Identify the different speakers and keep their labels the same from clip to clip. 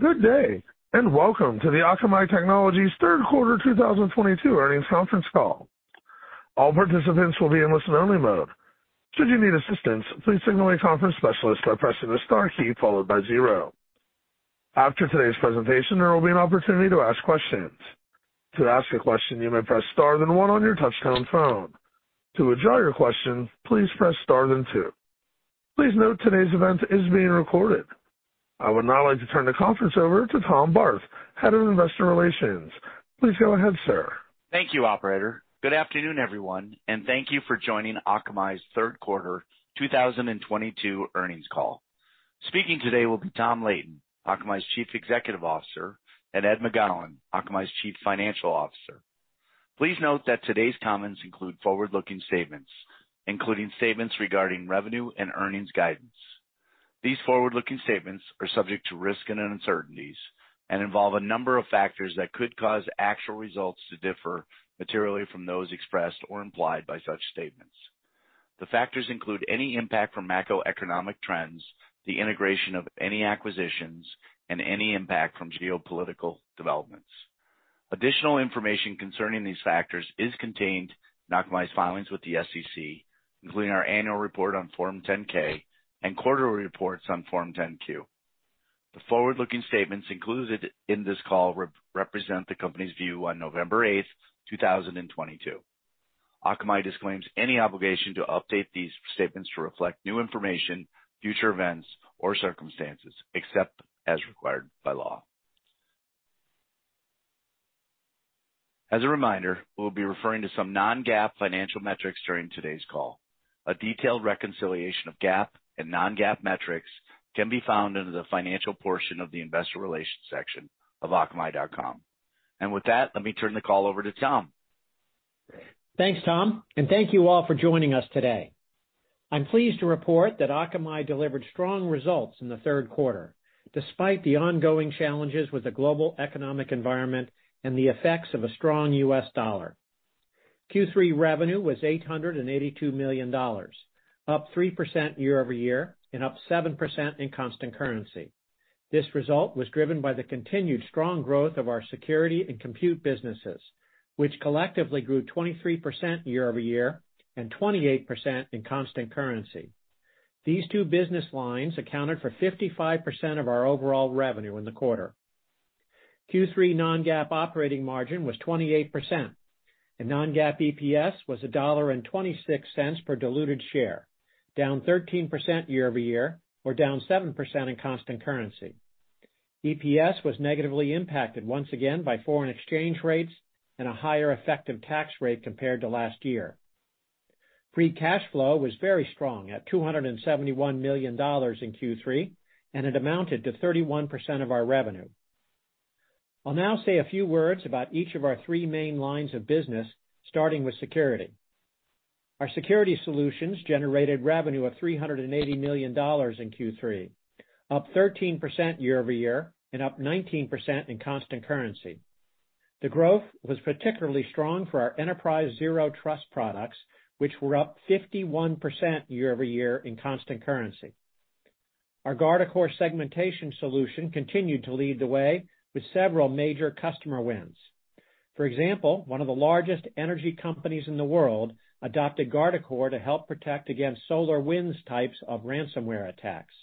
Speaker 1: Good day, and welcome to the Akamai Technologies third quarter 2022 earnings conference call. All participants will be in listen-only mode. Should you need assistance, please signal a conference specialist by pressing the star key followed by zero. After today's presentation, there will be an opportunity to ask questions. To ask a question, you may press star then one on your touchtone phone. To withdraw your question, please press star then two. Please note today's event is being recorded. I would now like to turn the conference over to Tom Barth, Head of Investor Relations. Please go ahead, sir.
Speaker 2: Thank you, operator. Good afternoon, everyone, and thank you for joining Akamai's third quarter 2022 earnings call. Speaking today will be Tom Leighton, Akamai's Chief Executive Officer, and Ed McGowan, Akamai's Chief Financial Officer. Please note that today's comments include forward-looking statements, including statements regarding revenue and earnings guidance. These forward-looking statements are subject to risks and uncertainties and involve a number of factors that could cause actual results to differ materially from those expressed or implied by such statements. The factors include any impact from macroeconomic trends, the integration of any acquisitions, and any impact from geopolitical developments. Additional information concerning these factors is contained in Akamai's filings with the SEC, including our annual report on Form 10-K and quarterly reports on Form 10-Q. The forward-looking statements included in this call represent the company's view on November 8, 2022. Akamai disclaims any obligation to update these statements to reflect new information, future events or circumstances except as required by law. As a reminder, we'll be referring to some non-GAAP financial metrics during today's call. A detailed reconciliation of GAAP and non-GAAP metrics can be found under the financial portion of the investor relations section of akamai.com. With that, let me turn the call over to Tom.
Speaker 3: Thanks, Tom, and thank you all for joining us today. I'm pleased to report that Akamai delivered strong results in the third quarter, despite the ongoing challenges with the global economic environment and the effects of a strong US dollar. Q3 revenue was $882 million, up 3% year-over-year and up 7% in constant currency. This result was driven by the continued strong growth of our security and compute businesses, which collectively grew 23% year-over-year and 28% in constant currency. These two business lines accounted for 55% of our overall revenue in the quarter. Q3 non-GAAP operating margin was 28%, and non-GAAP EPS was $1.26 per diluted share, down 13% year-over-year or down 7% in constant currency. EPS was negatively impacted once again by foreign exchange rates and a higher effective tax rate compared to last year. Free cash flow was very strong at $271 million in Q3, and it amounted to 31% of our revenue. I'll now say a few words about each of our three main lines of business, starting with security. Our security solutions generated revenue of $380 million in Q3, up 13% year-over-year and up 19% in constant currency. The growth was particularly strong for our enterprise Zero Trust products, which were up 51% year-over-year in constant currency. Our Guardicore segmentation solution continued to lead the way with several major customer wins. For example, one of the largest energy companies in the world adopted Guardicore to help protect against SolarWinds types of ransomware attacks.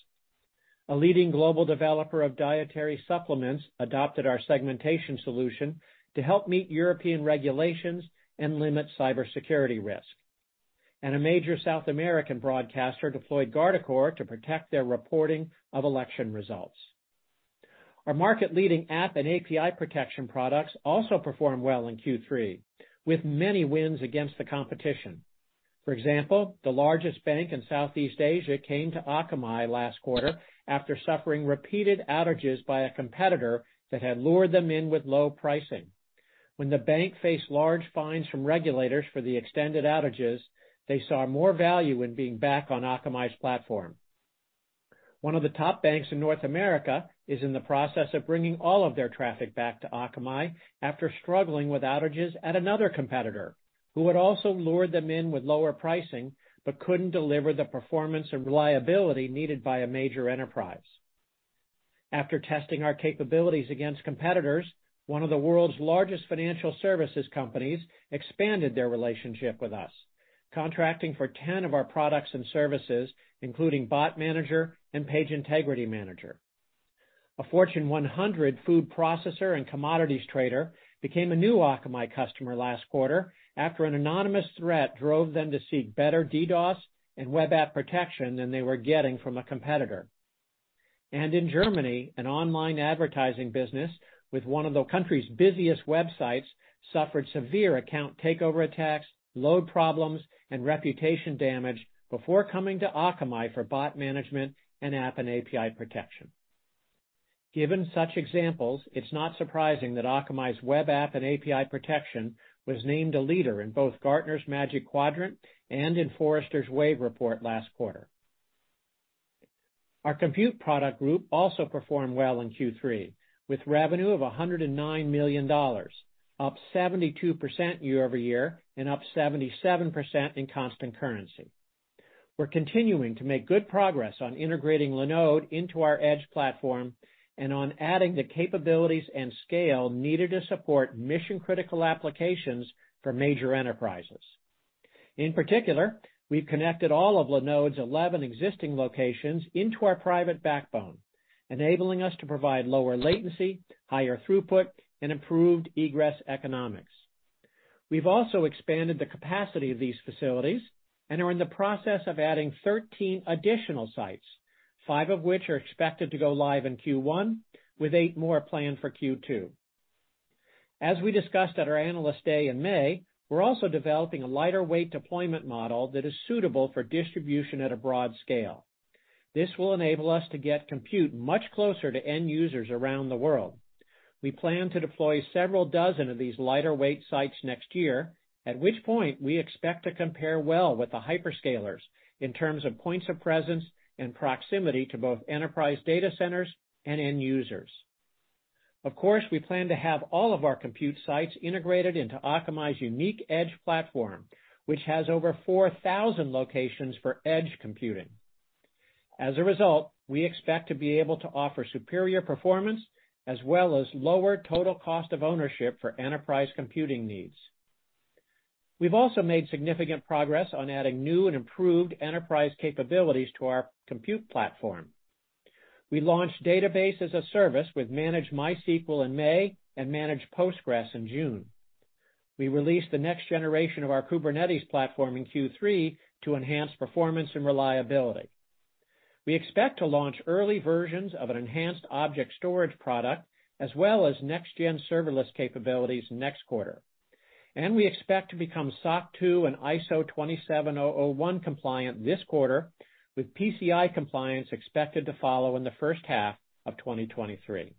Speaker 3: A leading global developer of dietary supplements adopted our segmentation solution to help meet European regulations and limit cybersecurity risk. A major South American broadcaster deployed Guardicore to protect their reporting of election results. Our market-leading app and API protection products also performed well in Q3, with many wins against the competition. For example, the largest bank in Southeast Asia came to Akamai last quarter after suffering repeated outages by a competitor that had lured them in with low pricing. When the bank faced large fines from regulators for the extended outages, they saw more value in being back on Akamai's platform. One of the top banks in North America is in the process of bringing all of their traffic back to Akamai after struggling with outages at another competitor, who had also lured them in with lower pricing but couldn't deliver the performance and reliability needed by a major enterprise. After testing our capabilities against competitors, one of the world's largest financial services companies expanded their relationship with us, contracting for 10 of our products and services, including Bot Manager and Page Integrity Manager. A Fortune 100 food processor and commodities trader became a new Akamai customer last quarter after an anonymous threat drove them to seek better DDoS and web app protection than they were getting from a competitor. In Germany, an online advertising business with one of the country's busiest websites suffered severe account takeover attacks, load problems, and reputation damage before coming to Akamai for bot management and app and API protection. Given such examples, it's not surprising that Akamai's web app and API protection was named a leader in both Gartner's Magic Quadrant and in Forrester Wave report last quarter. Our compute product group also performed well in Q3, with revenue of $109 million, up 72% year-over-year and up 77% in constant currency. We're continuing to make good progress on integrating Linode into our Edge platform and on adding the capabilities and scale needed to support mission-critical applications for major enterprises. In particular, we've connected all of Linode's 11 existing locations into our private backbone, enabling us to provide lower latency, higher throughput, and improved egress economics. We've also expanded the capacity of these facilities and are in the process of adding 13 additional sites, five of which are expected to go live in Q1, with eight more planned for Q2. As we discussed at our Analyst Day in May, we're also developing a lighter weight deployment model that is suitable for distribution at a broad scale. This will enable us to get compute much closer to end users around the world. We plan to deploy several dozen of these lighter weight sites next year, at which point we expect to compare well with the hyperscalers in terms of points of presence and proximity to both enterprise data centers and end users. Of course, we plan to have all of our compute sites integrated into Akamai's unique Edge platform, which has over 4,000 locations for edge computing. As a result, we expect to be able to offer superior performance as well as lower total cost of ownership for enterprise computing needs. We've also made significant progress on adding new and improved enterprise capabilities to our compute platform. We launched Database as a Service with Managed MySQL in May and Managed PostgreSQL in June. We released the next generation of our Kubernetes platform in Q3 to enhance performance and reliability. We expect to launch early versions of an enhanced Object Storage product, as well as next-gen serverless capabilities next quarter. We expect to become SOC 2 and ISO 27001 compliant this quarter, with PCI compliance expected to follow in the first half of 2023.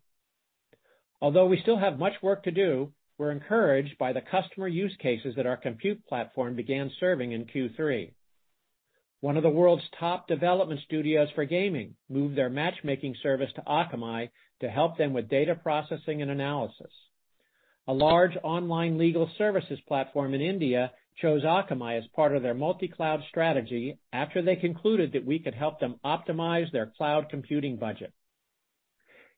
Speaker 3: Although we still have much work to do, we're encouraged by the customer use cases that our compute platform began serving in Q3. One of the world's top development studios for gaming moved their matchmaking service to Akamai to help them with data processing and analysis. A large online legal services platform in India chose Akamai as part of their multi-cloud strategy after they concluded that we could help them optimize their cloud computing budget.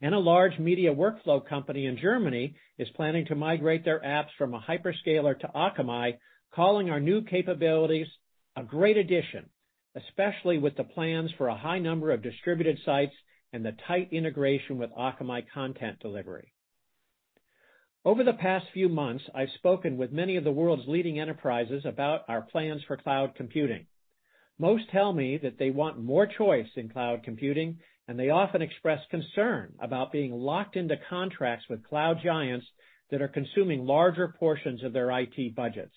Speaker 3: A large media workflow company in Germany is planning to migrate their apps from a hyperscaler to Akamai, calling our new capabilities a great addition, especially with the plans for a high number of distributed sites and the tight integration with Akamai content delivery. Over the past few months, I've spoken with many of the world's leading enterprises about our plans for cloud computing. Most tell me that they want more choice in cloud computing, and they often express concern about being locked into contracts with cloud giants that are consuming larger portions of their IT budgets,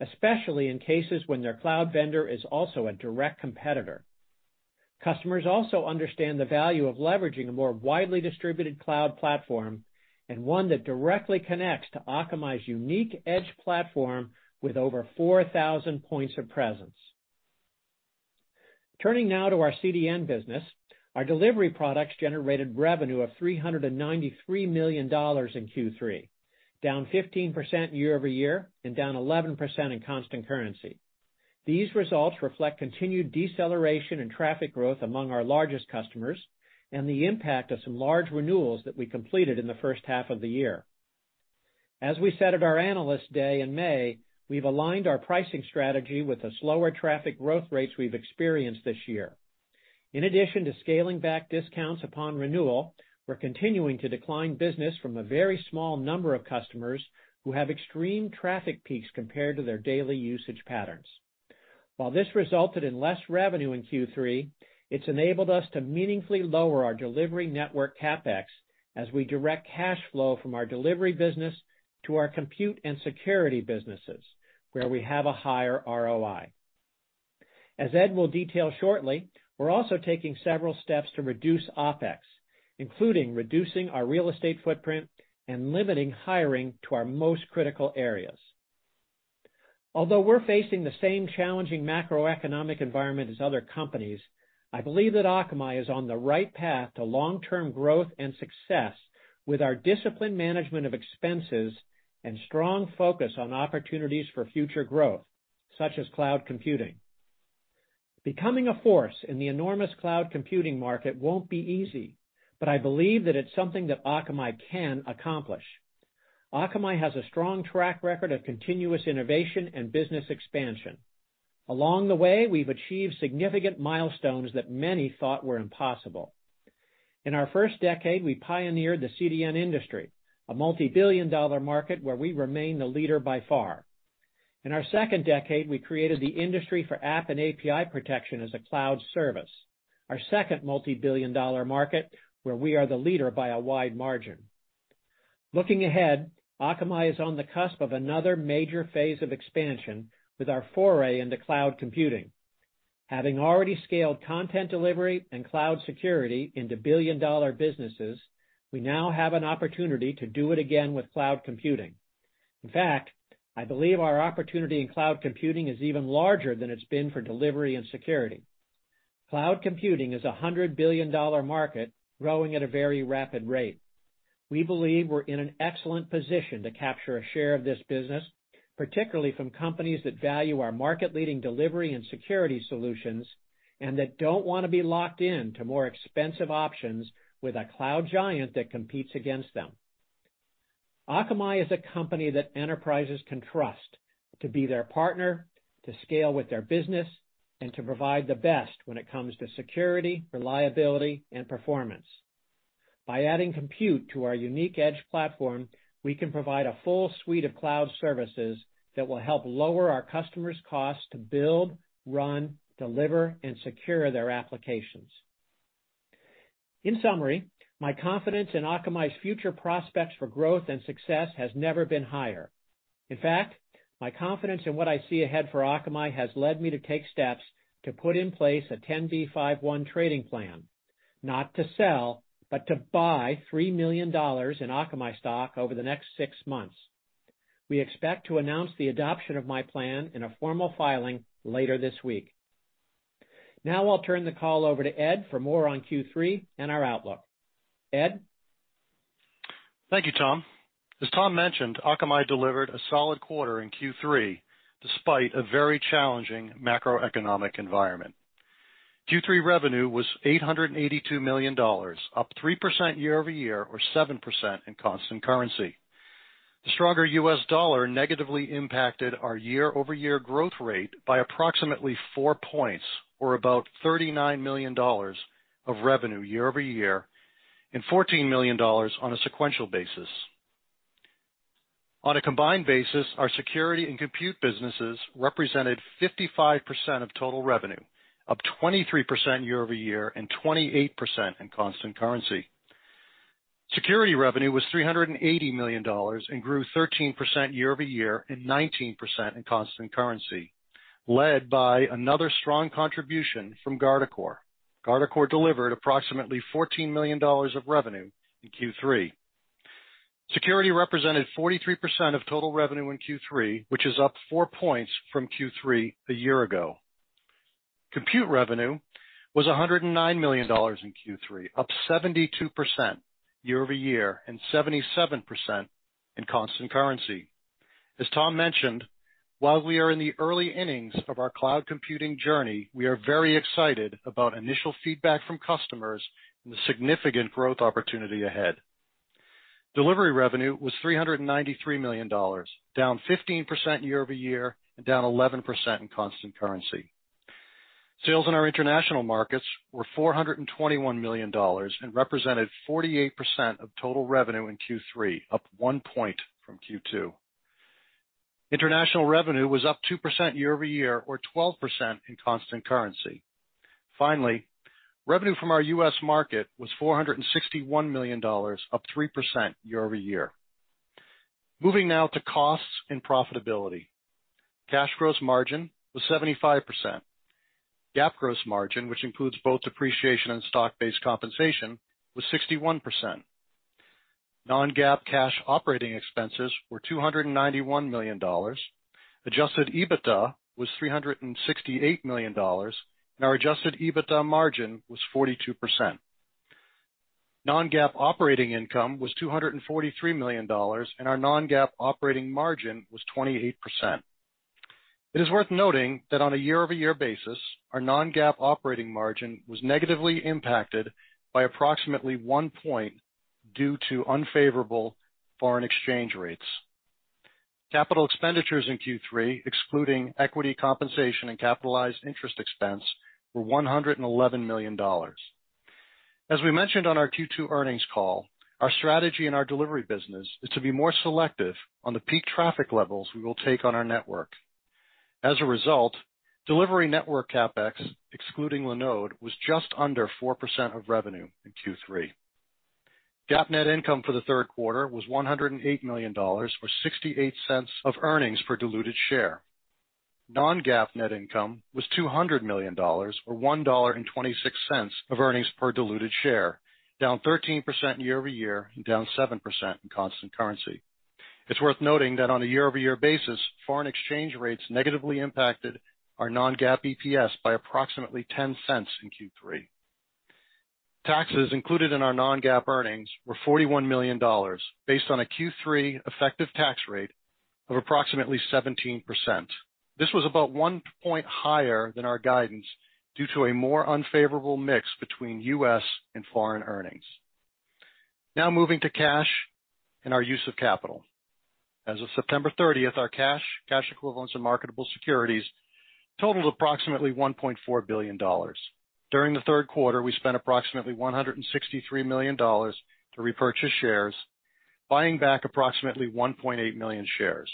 Speaker 3: especially in cases when their cloud vendor is also a direct competitor. Customers also understand the value of leveraging a more widely distributed cloud platform and one that directly connects to Akamai's unique Edge platform with over 4,000 points of presence. Turning now to our CDN business. Our delivery products generated revenue of $393 million in Q3, down 15% year-over-year and down 11% in constant currency. These results reflect continued deceleration in traffic growth among our largest customers and the impact of some large renewals that we completed in the first half of the year. As we said at our Analyst Day in May, we've aligned our pricing strategy with the slower traffic growth rates we've experienced this year. In addition to scaling back discounts upon renewal, we're continuing to decline business from a very small number of customers who have extreme traffic peaks compared to their daily usage patterns. While this resulted in less revenue in Q3, it's enabled us to meaningfully lower our delivery network CapEx as we direct cash flow from our delivery business to our compute and security businesses, where we have a higher ROI. As Ed will detail shortly, we're also taking several steps to reduce OpEx, including reducing our real estate footprint and limiting hiring to our most critical areas. Although we're facing the same challenging macroeconomic environment as other companies, I believe that Akamai is on the right path to long-term growth and success with our disciplined management of expenses and strong focus on opportunities for future growth, such as cloud computing. Becoming a force in the enormous cloud computing market won't be easy, but I believe that it's something that Akamai can accomplish. Akamai has a strong track record of continuous innovation and business expansion. Along the way, we've achieved significant milestones that many thought were impossible. In our first decade, we pioneered the CDN industry, a multibillion-dollar market where we remain the leader by far. In our second decade, we created the industry for app and API protection as a cloud service, our second multibillion-dollar market, where we are the leader by a wide margin. Looking ahead, Akamai is on the cusp of another major phase of expansion with our foray into cloud computing. Having already scaled content delivery and cloud security into billion-dollar businesses, we now have an opportunity to do it again with cloud computing. In fact, I believe our opportunity in cloud computing is even larger than it's been for delivery and security. Cloud computing is a $100 billion market growing at a very rapid rate. We believe we're in an excellent position to capture a share of this business, particularly from companies that value our market leading delivery and security solutions, and that don't wanna be locked in to more expensive options with a cloud giant that competes against them. Akamai is a company that enterprises can trust to be their partner, to scale with their business, and to provide the best when it comes to security, reliability, and performance. By adding compute to our unique edge platform, we can provide a full suite of cloud services that will help lower our customers' costs to build, run, deliver, and secure their applications. In summary, my confidence in Akamai's future prospects for growth and success has never been higher. In fact, my confidence in what I see ahead for Akamai has led me to take steps to put in place a 10b5-1 trading plan, not to sell, but to buy $3 million in Akamai stock over the next six months. We expect to announce the adoption of my plan in a formal filing later this week. Now I'll turn the call over to Ed for more on Q3 and our outlook. Ed?
Speaker 4: Thank you, Tom. As Tom mentioned, Akamai delivered a solid quarter in Q3 despite a very challenging macroeconomic environment. Q3 revenue was $882 million, up 3% year-over-year, or 7% in constant currency. The stronger U.S. dollar negatively impacted our year-over-year growth rate by approximately 4 points, or about $39 million of revenue year-over-year, and $14 million on a sequential basis. On a combined basis, our security and compute businesses represented 55% of total revenue, up 23% year-over-year, and 28% in constant currency. Security revenue was $380 million and grew 13% year-over-year, and 19% in constant currency, led by another strong contribution from Guardicore. Guardicore delivered approximately $14 million of revenue in Q3. Security represented 43% of total revenue in Q3, which is up 4 points from Q3 a year ago. Compute revenue was $109 million in Q3, up 72% year-over-year, and 77% in constant currency. As Tom mentioned, while we are in the early innings of our cloud computing journey, we are very excited about initial feedback from customers and the significant growth opportunity ahead. Delivery revenue was $393 million, down 15% year-over-year, and down 11% in constant currency. Sales in our international markets were $421 million and represented 48% of total revenue in Q3, up 1 point from Q2. International revenue was up 2% year-over-year, or 12% in constant currency. Finally, revenue from our U.S. market was $461 million, up 3% year-over-year. Moving now to costs and profitability. Cash gross margin was 75%. GAAP gross margin, which includes both appreciation and stock-based compensation, was 61%. Non-GAAP cash operating expenses were $291 million. Adjusted EBITDA was $368 million, and our adjusted EBITDA margin was 42%. Non-GAAP operating income was $243 million, and our non-GAAP operating margin was 28%. It is worth noting that on a year-over-year basis, our non-GAAP operating margin was negatively impacted by approximately 1 point due to unfavorable foreign exchange rates. Capital expenditures in Q3, excluding equity compensation and capitalized interest expense, were $111 million. As we mentioned on our Q2 earnings call, our strategy in our delivery business is to be more selective on the peak traffic levels we will take on our network. As a result, delivery network CapEx, excluding Linode, was just under 4% of revenue in Q3. GAAP net income for the third quarter was $108 million, or 68 cents of earnings per diluted share. Non-GAAP net income was $200 million, or $1.26 of earnings per diluted share, down 13% year-over-year, and down 7% in constant currency. It's worth noting that on a year-over-year basis, foreign exchange rates negatively impacted our non-GAAP EPS by approximately 10 cents in Q3. Taxes included in our non-GAAP earnings were $41 million, based on a Q3 effective tax rate of approximately 17%. This was about 1 point higher than our guidance due to a more unfavorable mix between U.S. and foreign earnings. Now moving to cash and our use of capital. As of September 30, our cash equivalents, and marketable securities totaled approximately $1.4 billion. During the third quarter, we spent approximately $163 million to repurchase shares, buying back approximately 1.8 million shares.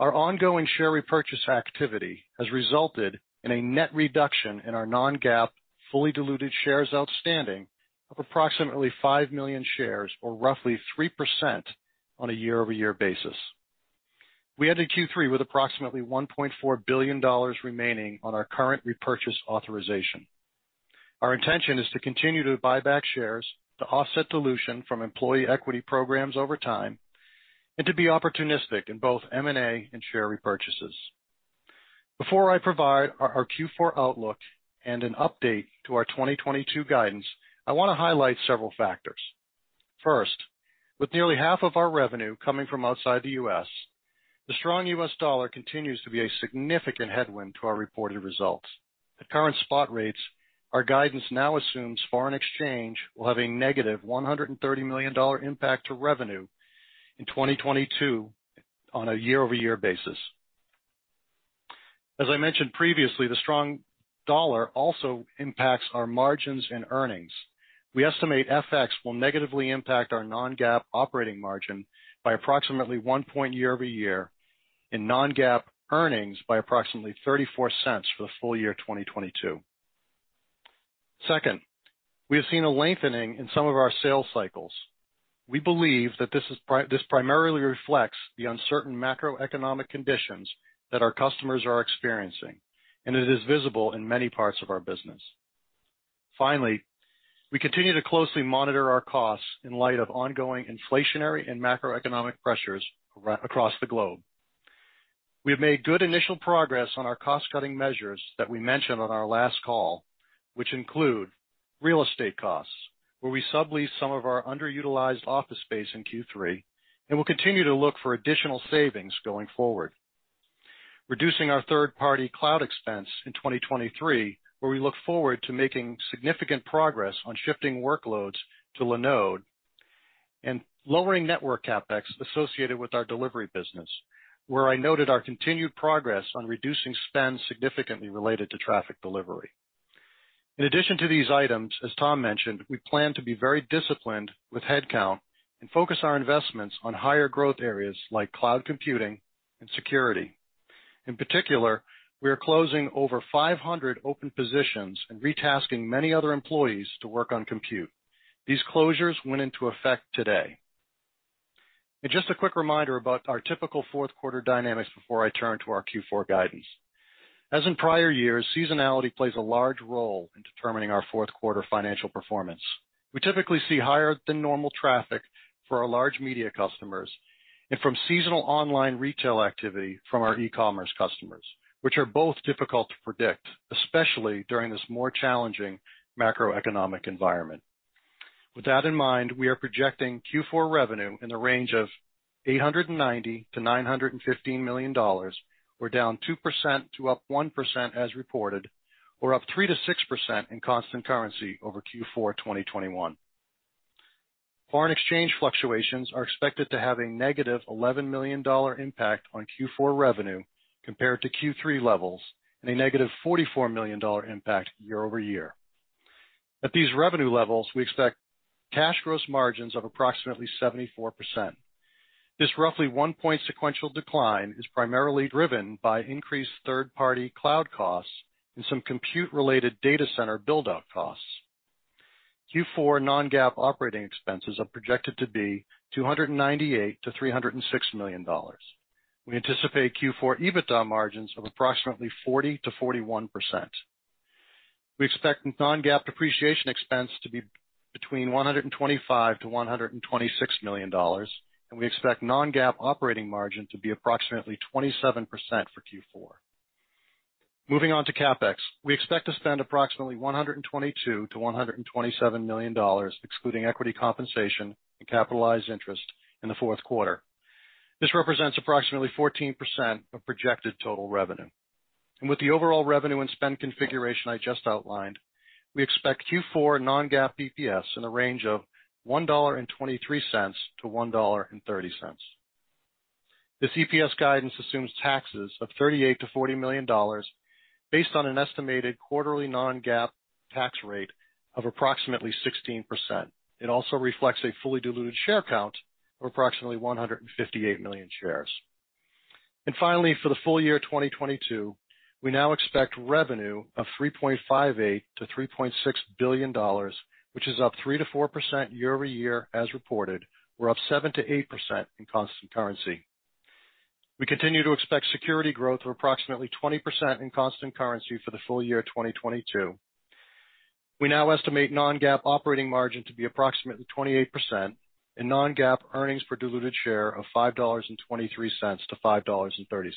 Speaker 4: Our ongoing share repurchase activity has resulted in a net reduction in our non-GAAP fully diluted shares outstanding of approximately 5 million shares, or roughly 3% on a year-over-year basis. We ended Q3 with approximately $1.4 billion remaining on our current repurchase authorization. Our intention is to continue to buy back shares to offset dilution from employee equity programs over time and to be opportunistic in both M&A and share repurchases. Before I provide our Q4 outlook and an update to our 2022 guidance, I want to highlight several factors. First, with nearly half of our revenue coming from outside the U.S., the strong U.S. dollar continues to be a significant headwind to our reported results. At current spot rates, our guidance now assumes foreign exchange will have a negative $130 million impact to revenue in 2022 on a year-over-year basis. As I mentioned previously, the strong dollar also impacts our margins and earnings. We estimate FX will negatively impact our non-GAAP operating margin by approximately 1% year-over-year, in non-GAAP earnings by approximately $0.34 for the full year 2022. Second, we have seen a lengthening in some of our sales cycles. We believe that this primarily reflects the uncertain macroeconomic conditions that our customers are experiencing, and it is visible in many parts of our business. Finally, we continue to closely monitor our costs in light of ongoing inflationary and macroeconomic pressures across the globe. We have made good initial progress on our cost-cutting measures that we mentioned on our last call, which include real estate costs, where we subleased some of our underutilized office space in Q3, and we'll continue to look for additional savings going forward. Reducing our third-party cloud expense in 2023, where we look forward to making significant progress on shifting workloads to Linode, and lowering network CapEx associated with our delivery business, where I noted our continued progress on reducing spend significantly related to traffic delivery. In addition to these items, as Tom mentioned, we plan to be very disciplined with headcount and focus our investments on higher growth areas like cloud computing and security. In particular, we are closing over 500 open positions and retasking many other employees to work on compute. These closures went into effect today. Just a quick reminder about our typical fourth quarter dynamics before I turn to our Q4 guidance. As in prior years, seasonality plays a large role in determining our fourth quarter financial performance. We typically see higher than normal traffic for our large media customers and from seasonal online retail activity from our e-commerce customers, which are both difficult to predict, especially during this more challenging macroeconomic environment. With that in mind, we are projecting Q4 revenue in the range of $890 million-$915 million, or down 2% to up 1% as reported, or up 3%-6% in constant currency over Q4 2021. Foreign exchange fluctuations are expected to have a negative $11 million impact on Q4 revenue compared to Q3 levels and a negative $44 million impact year-over-year. At these revenue levels, we expect cash gross margins of approximately 74%. This roughly 1-point sequential decline is primarily driven by increased third-party cloud costs and some compute-related data center build-out costs. Q4 non-GAAP operating expenses are projected to be $298 million-$306 million. We anticipate Q4 EBITDA margins of approximately 40%-41%. We expect non-GAAP depreciation expense to be between $125-$126 million, and we expect non-GAAP operating margin to be approximately 27% for Q4. Moving on to CapEx. We expect to spend approximately $122-$127 million, excluding equity compensation and capitalized interest in the fourth quarter. This represents approximately 14% of projected total revenue. With the overall revenue and spend configuration I just outlined, we expect Q4 non-GAAP EPS in the range of $1.23-$1.30. This EPS guidance assumes taxes of $38-$40 million based on an estimated quarterly non-GAAP tax rate of approximately 16%. It also reflects a fully diluted share count of approximately 158 million shares. Finally, for the full year 2022, we now expect revenue of $3.58-$3.6 billion, which is up 3%-4% year-over-year as reported. We're up 7%-8% in constant currency. We continue to expect security growth of approximately 20% in constant currency for the full year 2022. We now estimate non-GAAP operating margin to be approximately 28% and non-GAAP earnings per diluted share of $5.23-$5.30.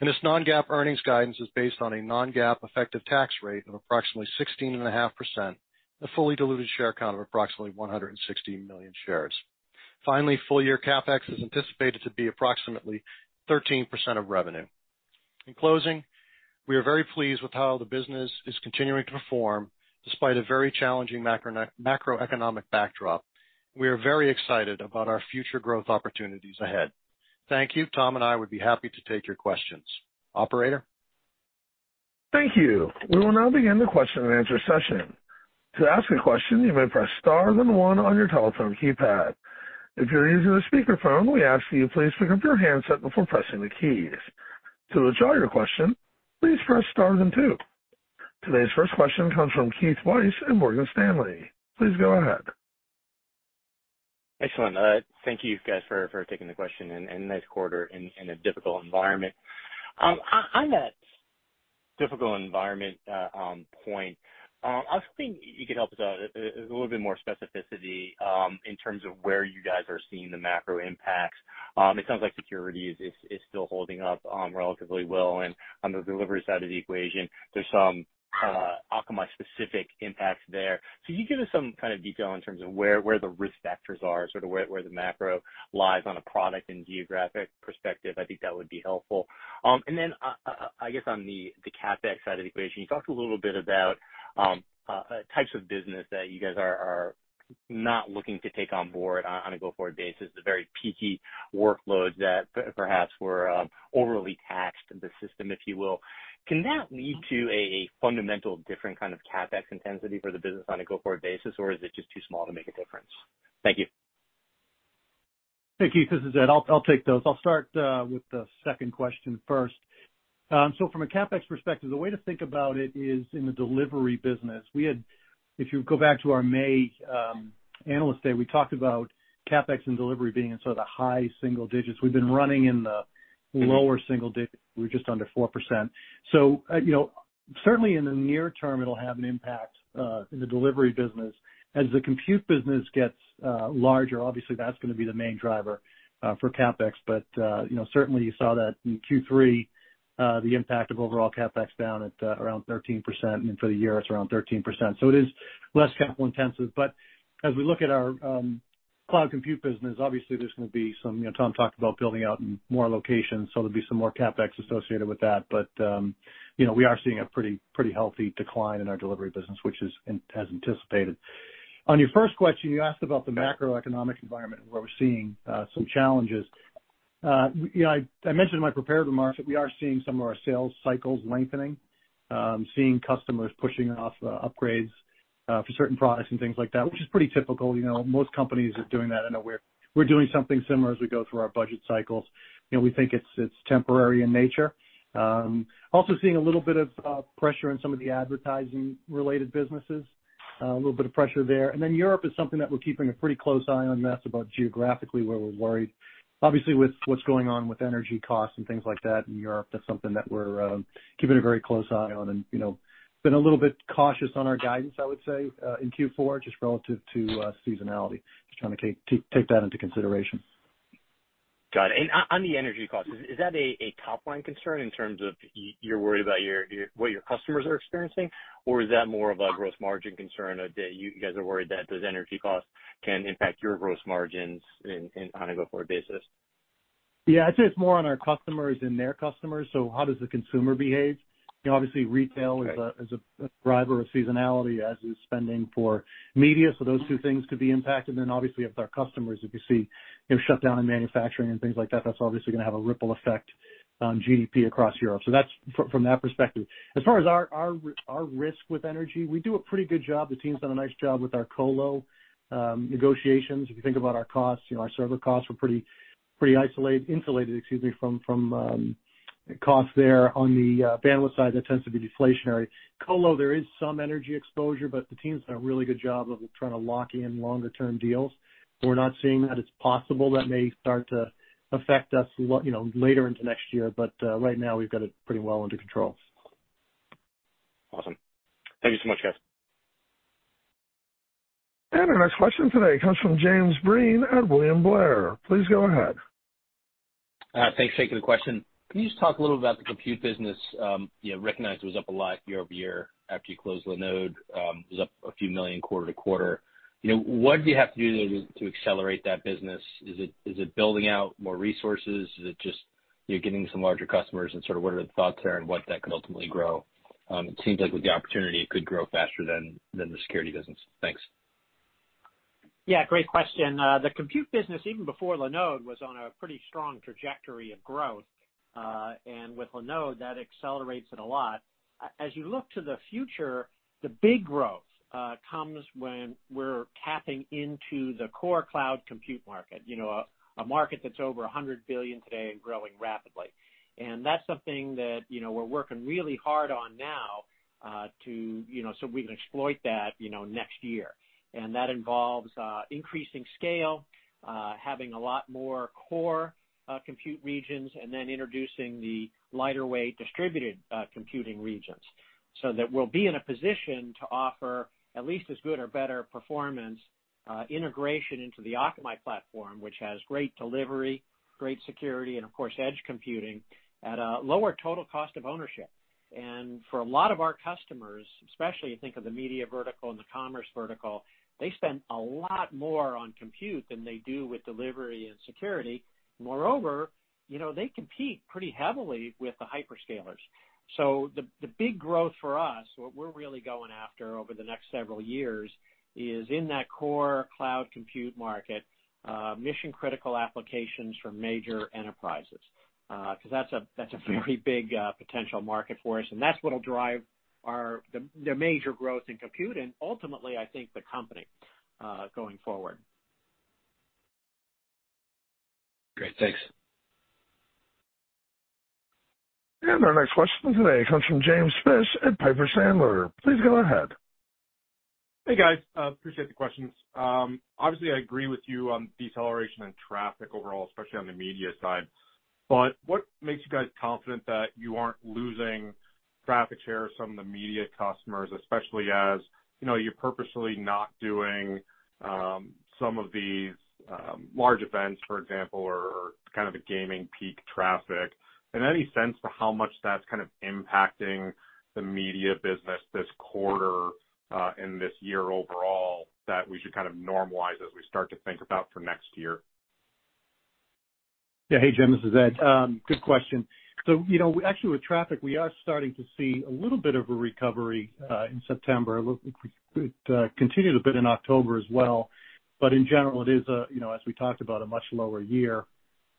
Speaker 4: This non-GAAP earnings guidance is based on a non-GAAP effective tax rate of approximately 16.5% and a fully diluted share count of approximately 160 million shares. Finally, full year CapEx is anticipated to be approximately 13% of revenue. In closing, we are very pleased with how the business is continuing to perform despite a very challenging macroeconomic backdrop. We are very excited about our future growth opportunities ahead. Thank you. Tom and I would be happy to take your questions. Operator?
Speaker 1: Thank you. We will now begin the question-and-answer session. To ask a question, you may press star then one on your telephone keypad. If you're using a speakerphone, we ask that you please pick up your handset before pressing the keys. To withdraw your question, please press star then two. Today's first question comes from Keith Weiss in Morgan Stanley. Please go ahead.
Speaker 5: Excellent. Thank you guys for taking the question and nice quarter in a difficult environment. On that difficult environment point, I was hoping you could help us out a little bit more specificity in terms of where you guys are seeing the macro impacts. It sounds like security is still holding up relatively well. On the delivery side of the equation, there's some Akamai specific impacts there. Can you give us some kind of detail in terms of where the risk factors are, sort of where the macro lies on a product and geographic perspective? I think that would be helpful. I guess on the CapEx side of the equation, you talked a little bit about types of business that you guys are not looking to take on board on a go-forward basis, the very peaky workloads that perhaps were overly taxed the system, if you will. Can that lead to a fundamental different kind of CapEx intensity for the business on a go-forward basis, or is it just too small to make a difference? Thank you.
Speaker 4: Thank you. This is Ed. I'll take those. I'll start with the second question first. From a CapEx perspective, the way to think about it is in the delivery business. If you go back to our May Analyst Day, we talked about CapEx and delivery being in sort of the high single digits. We've been running in the lower single digits. We're just under 4%. You know, certainly in the near term, it'll have an impact in the delivery business. As the compute business gets larger, obviously, that's gonna be the main driver for CapEx. You know, certainly you saw that in Q3, the impact of overall CapEx down at around 13%, and for the year it's around 13%. It is less capital intensive. As we look at our cloud compute business, obviously there's gonna be some, you know, Tom talked about building out more locations, so there'll be some more CapEx associated with that. You know, we are seeing a pretty healthy decline in our delivery business, which is as anticipated. On your first question, you asked about the macroeconomic environment where we're seeing some challenges. You know, I mentioned in my prepared remarks that we are seeing some of our sales cycles lengthening, seeing customers pushing off upgrades for certain products and things like that, which is pretty typical. You know, most companies are doing that. I know we're doing something similar as we go through our budget cycles. You know, we think it's temporary in nature. Also seeing a little bit of pressure in some of the advertising related businesses, a little bit of pressure there. Europe is something that we're keeping a pretty close eye on. That's about geographically where we're worried. Obviously, with what's going on with energy costs and things like that in Europe, that's something that we're keeping a very close eye on and, you know, been a little bit cautious on our guidance, I would say, in Q4, just relative to seasonality. Just trying to take that into consideration.
Speaker 5: Got it. On the energy costs, is that a top line concern in terms of you're worried about your what your customers are experiencing, or is that more of a gross margin concern, that you guys are worried that those energy costs can impact your gross margins in on a go-forward basis?
Speaker 4: Yeah, I'd say it's more on our customers and their customers. How does the consumer behave? You know, obviously retail is a driver of seasonality, as is spending for media. Those two things could be impacted. Obviously if our customers, you see, you know, shut down in manufacturing and things like that's obviously gonna have a ripple effect on GDP across Europe. That's from that perspective. As far as our risk with energy, we do a pretty good job. The team's done a nice job with our colo negotiations. If you think about our costs, you know, our server costs were pretty insulated from costs there. On the bandwidth side, that tends to be deflationary. Colo, there is some energy exposure, but the team's done a really good job of trying to lock in longer term deals. We're not seeing that. It's possible that may start to affect us, you know, later into next year, but right now we've got it pretty well under control.
Speaker 5: Awesome. Thank you so much, guys.
Speaker 1: Our next question today comes from James Breen at William Blair. Please go ahead.
Speaker 5: Thanks. Thank you for the question. Can you just talk a little about the compute business? You know, recognized it was up a lot year-over-year after you closed Linode. It was up $a few million quarter-over-quarter. You know, what do you have to do to accelerate that business? Is it building out more resources? Is it just you're getting some larger customers and sort of what are the thoughts there and what that could ultimately grow? It seems like with the opportunity, it could grow faster than the security business. Thanks.
Speaker 3: Yeah, great question. The compute business, even before Linode, was on a pretty strong trajectory of growth. With Linode, that accelerates it a lot. As you look to the future, the big growth comes when we're tapping into the core cloud compute market, you know, a market that's over $100 billion today and growing rapidly. That's something that, you know, we're working really hard on now, to, you know, so we can exploit that, you know, next year. That involves increasing scale, having a lot more core compute regions, and then introducing the lighter weight distributed computing regions. That we'll be in a position to offer at least as good or better performance, integration into the Akamai platform, which has great delivery, great security, and of course, edge computing at a lower total cost of ownership. For a lot of our customers, especially you think of the media vertical and the commerce vertical, they spend a lot more on compute than they do with delivery and security. Moreover, you know, they compete pretty heavily with the hyperscalers. The big growth for us, what we're really going after over the next several years is in that core cloud compute market, mission-critical applications for major enterprises. 'Cause that's a very big potential market for us, and that's what will drive our the major growth in compute and ultimately, I think the company going forward.
Speaker 5: Great. Thanks.
Speaker 1: Our next question today comes from James Fish at Piper Sandler. Please go ahead.
Speaker 6: Hey, guys. Appreciate the questions. Obviously, I agree with you on deceleration in traffic overall, especially on the media side, but what makes you guys confident that you aren't losing traffic share of some of the media customers, especially as, you know, you're purposely not doing some of these large events, for example, or kind of the gaming peak traffic? Any sense to how much that's kind of impacting the media business this quarter, and this year overall that we should kind of normalize as we start to think about for next year?
Speaker 4: Yeah. Hey, Jim, this is Ed. Good question. You know, actually with traffic, we are starting to see a little bit of a recovery in September. A little. It continued a bit in October as well. In general, it is, you know, as we talked about, a much lower year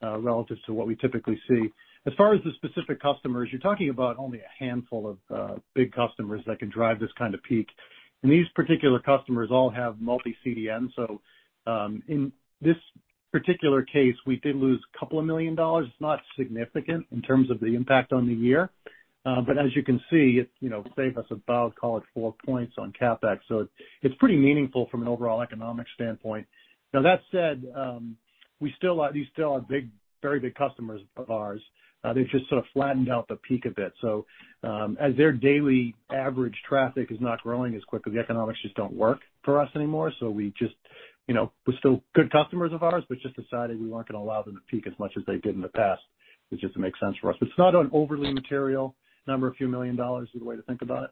Speaker 4: relative to what we typically see. As far as the specific customers, you're talking about only a handful of big customers that can drive this kind of peak. These particular customers all have multi-CDN. In this particular case, we did lose $2 million. It's not significant in terms of the impact on the year. As you can see, it, you know, saved us about, call it 4 points on CapEx. It's pretty meaningful from an overall economic standpoint. Now that said, these still are big, very big customers of ours. They've just sort of flattened out the peak a bit. As their daily average traffic is not growing as quickly, the economics just don't work for us anymore. We just, you know, they're still good customers of ours, but just decided we weren't gonna allow them to peak as much as they did in the past. It just makes sense for us. It's not an overly material number. $A few million is the way to think about it.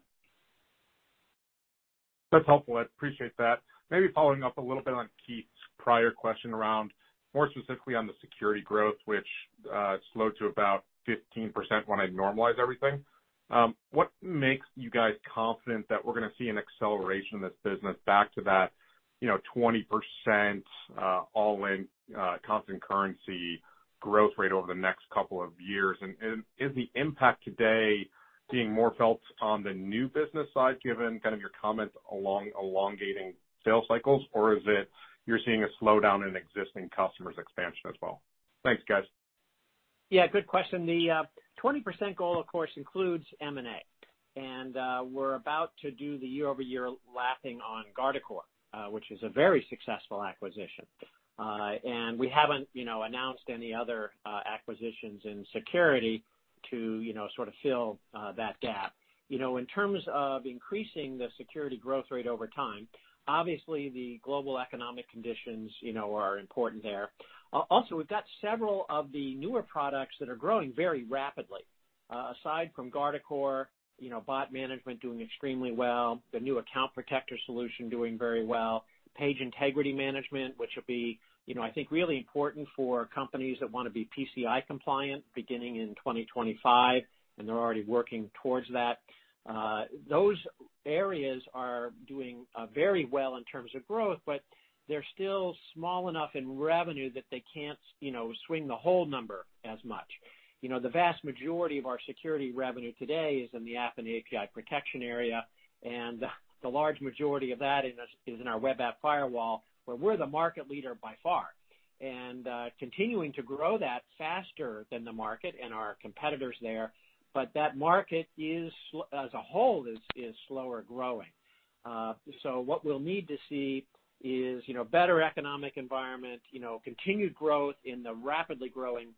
Speaker 6: That's helpful. I appreciate that. Maybe following up a little bit on Keith's prior question around more specifically on the security growth, which slowed to about 15% when I normalize everything. What makes you guys confident that we're gonna see an acceleration of this business back to that, you know, 20%, all-in, constant currency growth rate over the next couple of years? And is the impact today being more felt on the new business side, given kind of your comments along elongating sales cycles, or is it you're seeing a slowdown in existing customers expansion as well? Thanks, guys.
Speaker 3: Yeah, good question. The 20% goal, of course, includes M&A. We're about to do the year-over-year lapping on Guardicore, which is a very successful acquisition. We haven't, you know, announced any other acquisitions in security to, you know, sort of fill that gap. You know, in terms of increasing the security growth rate over time, obviously, the global economic conditions, you know, are important there. Also, we've got several of the newer products that are growing very rapidly. Aside from Guardicore, you know, Bot Manager doing extremely well, the new Account Protector solution doing very well, Page Integrity Manager, which will be, you know, I think really important for companies that want to be PCI compliant beginning in 2025, and they're already working towards that. Those areas are doing very well in terms of growth, but they're still small enough in revenue that they can't, you know, swing the whole number as much. You know, the vast majority of our security revenue today is in the app and API protection area, and the large majority of that is in our web app firewall, where we're the market leader by far, and continuing to grow that faster than the market and our competitors there. But that market as a whole is slower growing. So what we'll need to see is, you know, better economic environment, you know, continued growth in the rapidly growing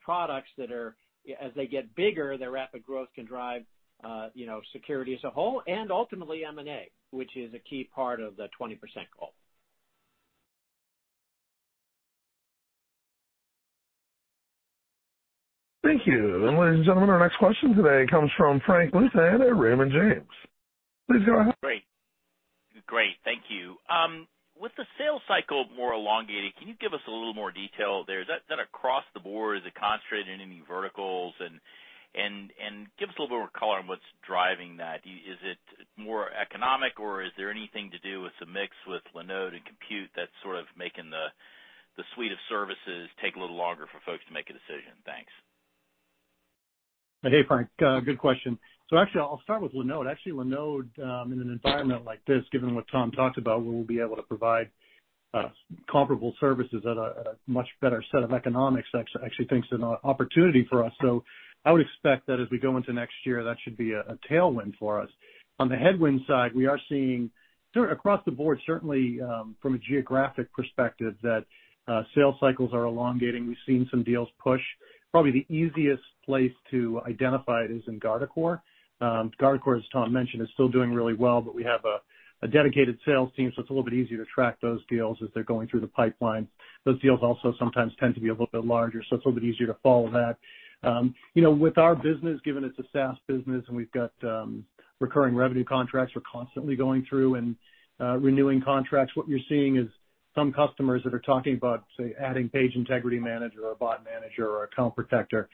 Speaker 3: products that are, as they get bigger, their rapid growth can drive, you know, security as a whole and ultimately M&A, which is a key part of the 20% goal.
Speaker 1: Thank you. Ladies and gentlemen, our next question today comes from Frank Louthan at Raymond James. Please go ahead.
Speaker 7: Great. Thank you. With the sales cycle more elongated, can you give us a little more detail there? Is that across the board? Is it concentrated in any verticals? Give us a little bit more color on what's driving that. Is it more economic, or is there anything to do with the mix with Linode and Compute that's sort of making the suite of services take a little longer for folks to make a decision? Thanks.
Speaker 4: Hey, Frank. Good question. Actually, I'll start with Linode. Actually, Linode, in an environment like this, given what Tom talked about, where we'll be able to provide comparable services at a much better set of economics, that's actually an opportunity for us. I would expect that as we go into next year, that should be a tailwind for us. On the headwind side, we are seeing sort of across the board, certainly, from a geographic perspective, that sales cycles are elongating. We've seen some deals push. Probably the easiest place to identify it is in Guardicore. Guardicore, as Tom mentioned, is still doing really well, but we have a dedicated sales team, so it's a little bit easier to track those deals as they're going through the pipeline. Those deals also sometimes tend to be a little bit larger, so it's a little bit easier to follow that. You know, with our business, given it's a SaaS business and we've got recurring revenue contracts we're constantly going through and renewing contracts, what you're seeing is some customers that are talking about, say, adding Page Integrity Manager or Bot Manager or Account Protector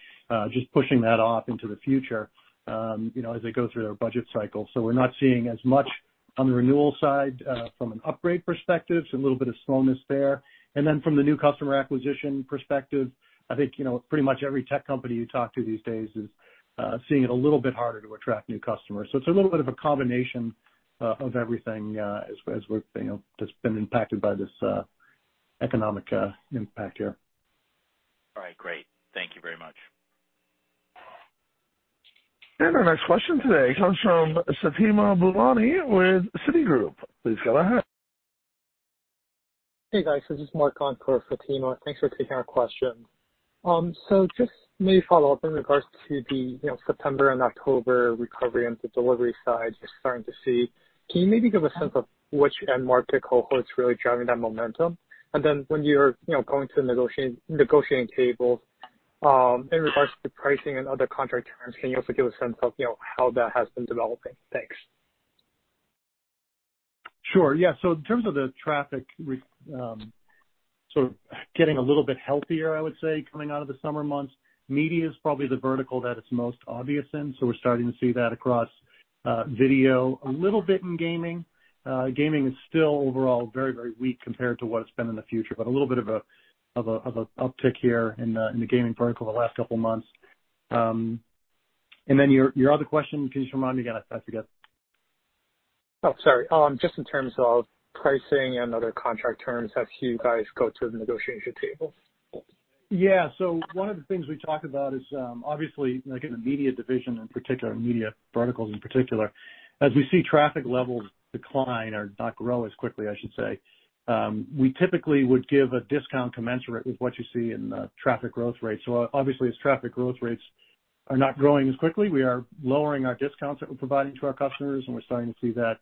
Speaker 4: just pushing that off into the future, you know, as they go through their budget cycle. We're not seeing as much on the renewal side from an upgrade perspective, so a little bit of slowness there. From the new customer acquisition perspective, I think, you know, pretty much every tech company you talk to these days is seeing it a little bit harder to attract new customers. It's a little bit of a combination of everything, as we're, you know, that's been impacted by this economic impact here.
Speaker 7: All right, great. Thank you very much.
Speaker 1: Our next question today comes from Fatima Boolani with Citigroup. Please go ahead.
Speaker 8: Hey, guys. This is Mark on for Fatima. Thanks for taking our question. Just maybe follow up in regards to the, you know, September and October recovery on the delivery side you're starting to see, can you maybe give a sense of which end market cohort is really driving that momentum? When you're, you know, going to the negotiating table, in regards to pricing and other contract terms, can you also give a sense of, you know, how that has been developing? Thanks.
Speaker 4: Sure. Yeah. In terms of the traffic sort of getting a little bit healthier, I would say, coming out of the summer months, media is probably the vertical that it's most obvious in. We're starting to see that across video. A little bit in gaming. Gaming is still overall very, very weak compared to what it's been in the future. A little bit of a uptick here in the gaming vertical the last couple of months. And then your other question, can you just remind me again? I forgot.
Speaker 8: Oh, sorry. Just in terms of pricing and other contract terms as you guys go to the negotiation table.
Speaker 4: Yeah. One of the things we talk about is, obviously, like in the media division in particular, media verticals in particular, as we see traffic levels decline or not grow as quickly, I should say, we typically would give a discount commensurate with what you see in the traffic growth rate. Obviously, as traffic growth rates are not growing as quickly, we are lowering our discounts that we're providing to our customers, and we're starting to see that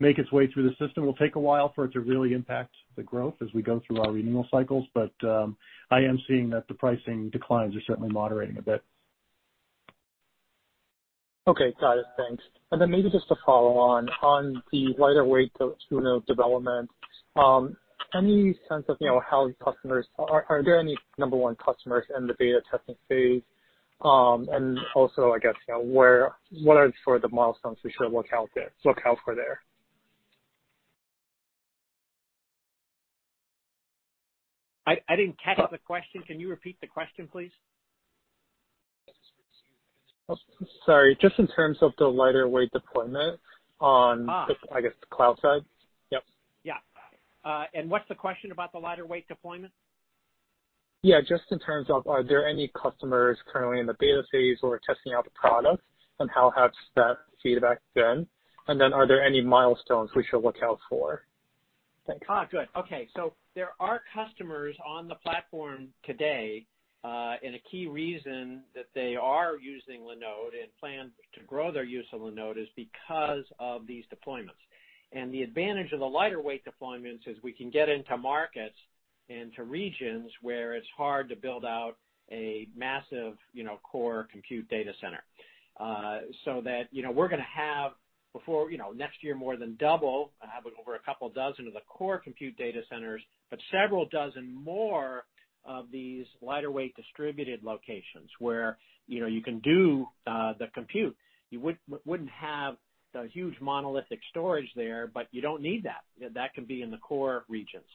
Speaker 4: make its way through the system. Will take a while for it to really impact the growth as we go through our renewal cycles, but, I am seeing that the pricing declines are certainly moderating a bit.
Speaker 8: Okay. Got it. Thanks. Maybe just to follow on the lightweight Linode development, any sense of, you know, how customers are there any customers in the beta testing phase? Number one. Also, I guess, you know, what are sort of the milestones we should look out for there?
Speaker 3: I didn't catch the question. Can you repeat the question, please?
Speaker 8: Sorry, just in terms of the lighter weight deployment on.
Speaker 3: Ah.
Speaker 8: I guess, the cloud side. Yep.
Speaker 3: Yeah. What's the question about the lighter weight deployment?
Speaker 8: Yeah, just in terms of are there any customers currently in the beta phase or testing out the product and how has that feedback been? Then are there any milestones we should look out for? Thanks.
Speaker 3: Oh, good. Okay. There are customers on the platform today, and a key reason that they are using Linode and plan to grow their use of Linode is because of these deployments. The advantage of the lighter weight deployments is we can get into markets, into regions where it's hard to build out a massive, you know, core compute data center. That, you know, we're gonna have before, you know, next year, more than double. We'll have over a couple dozen of the core compute data centers, but several dozen more of these lighter weight distributed locations where, you know, you can do the compute. You wouldn't have the huge monolithic storage there, but you don't need that. That can be in the core regions.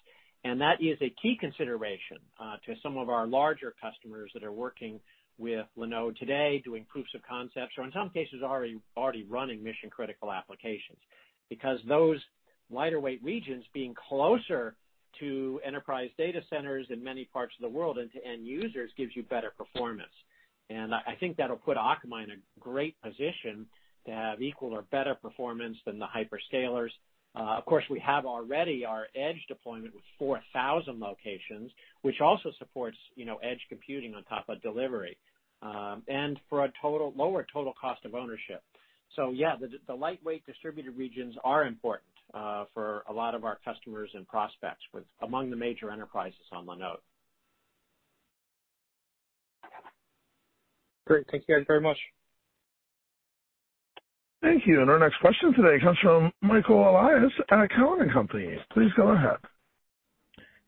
Speaker 3: That is a key consideration to some of our larger customers that are working with Linode today, doing proofs of concepts, or in some cases, already running mission-critical applications. Because those lighter weight regions being closer to enterprise data centers in many parts of the world and to end users gives you better performance. I think that'll put Akamai in a great position to have equal or better performance than the hyperscalers. Of course, we have already our edge deployment with 4,000 locations, which also supports, you know, edge computing on top of delivery, and for a total lower total cost of ownership. Yeah, the lightweight distributed regions are important for a lot of our customers and prospects with among the major enterprises on Linode.
Speaker 8: Great. Thank you guys very much.
Speaker 1: Thank you. Our next question today comes from Michael Elias at Cowen and Company. Please go ahead.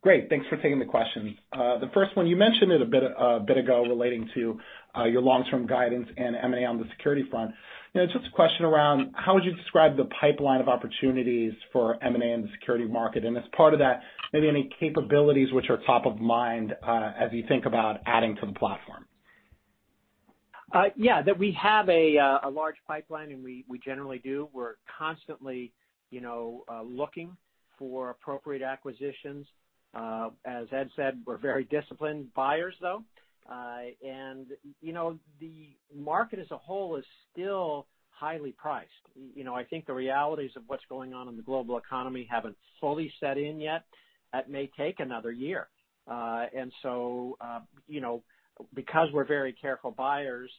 Speaker 9: Great. Thanks for taking the question. The first one, you mentioned it a bit ago relating to your long-term guidance and M&A on the security front. You know, just a question around how would you describe the pipeline of opportunities for M&A in the security market? And as part of that, maybe any capabilities which are top of mind as you think about adding to the platform.
Speaker 3: That we have a large pipeline, and we generally do. We're constantly, you know, looking for appropriate acquisitions. As Ed said, we're very disciplined buyers, though. You know, the market as a whole is still highly priced. You know, I think the realities of what's going on in the global economy haven't fully set in yet. That may take another year. You know, because we're very careful buyers,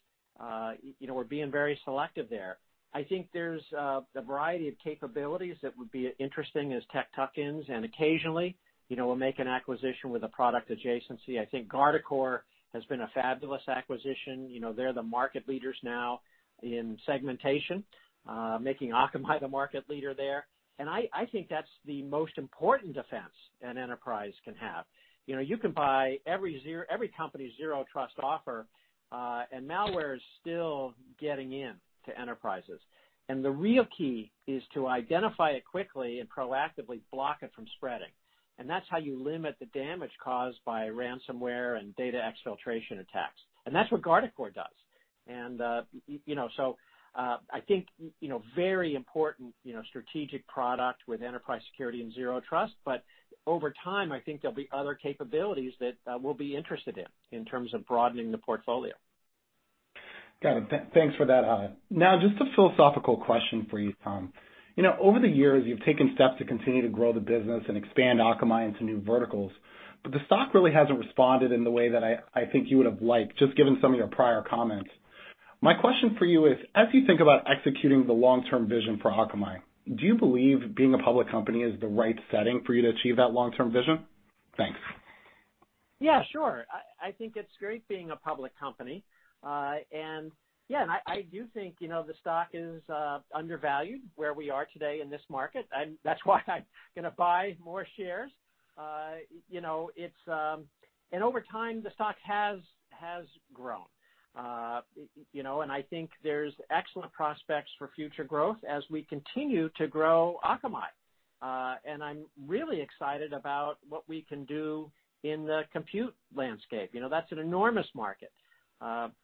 Speaker 3: you know, we're being very selective there. I think there's a variety of capabilities that would be interesting as tech tuck-ins, and occasionally, you know, we'll make an acquisition with a product adjacency. I think Guardicore has been a fabulous acquisition. You know, they're the market leaders now in segmentation, making Akamai the market leader there. I think that's the most important defense an enterprise can have. You know, you can buy every every company's Zero Trust offer, and malware is still getting into enterprises. The real key is to identify it quickly and proactively block it from spreading. That's how you limit the damage caused by ransomware and data exfiltration attacks. That's what Guardicore does. You know, so, I think, you know, very important, you know, strategic product with enterprise security and Zero Trust. But over time, I think there'll be other capabilities that we'll be interested in in terms of broadening the portfolio.
Speaker 9: Got it. Thanks for that. Now, just a philosophical question for you, Tom. You know, over the years, you've taken steps to continue to grow the business and expand Akamai into new verticals, but the stock really hasn't responded in the way that I think you would have liked, just given some of your prior comments. My question for you is: As you think about executing the long-term vision for Akamai, do you believe being a public company is the right setting for you to achieve that long-term vision? Thanks.
Speaker 3: Yeah, sure. I think it's great being a public company. I do think, you know, the stock is undervalued where we are today in this market. That's why I'm gonna buy more shares. Over time, the stock has grown. You know, I think there's excellent prospects for future growth as we continue to grow Akamai. I'm really excited about what we can do in the compute landscape. You know, that's an enormous market.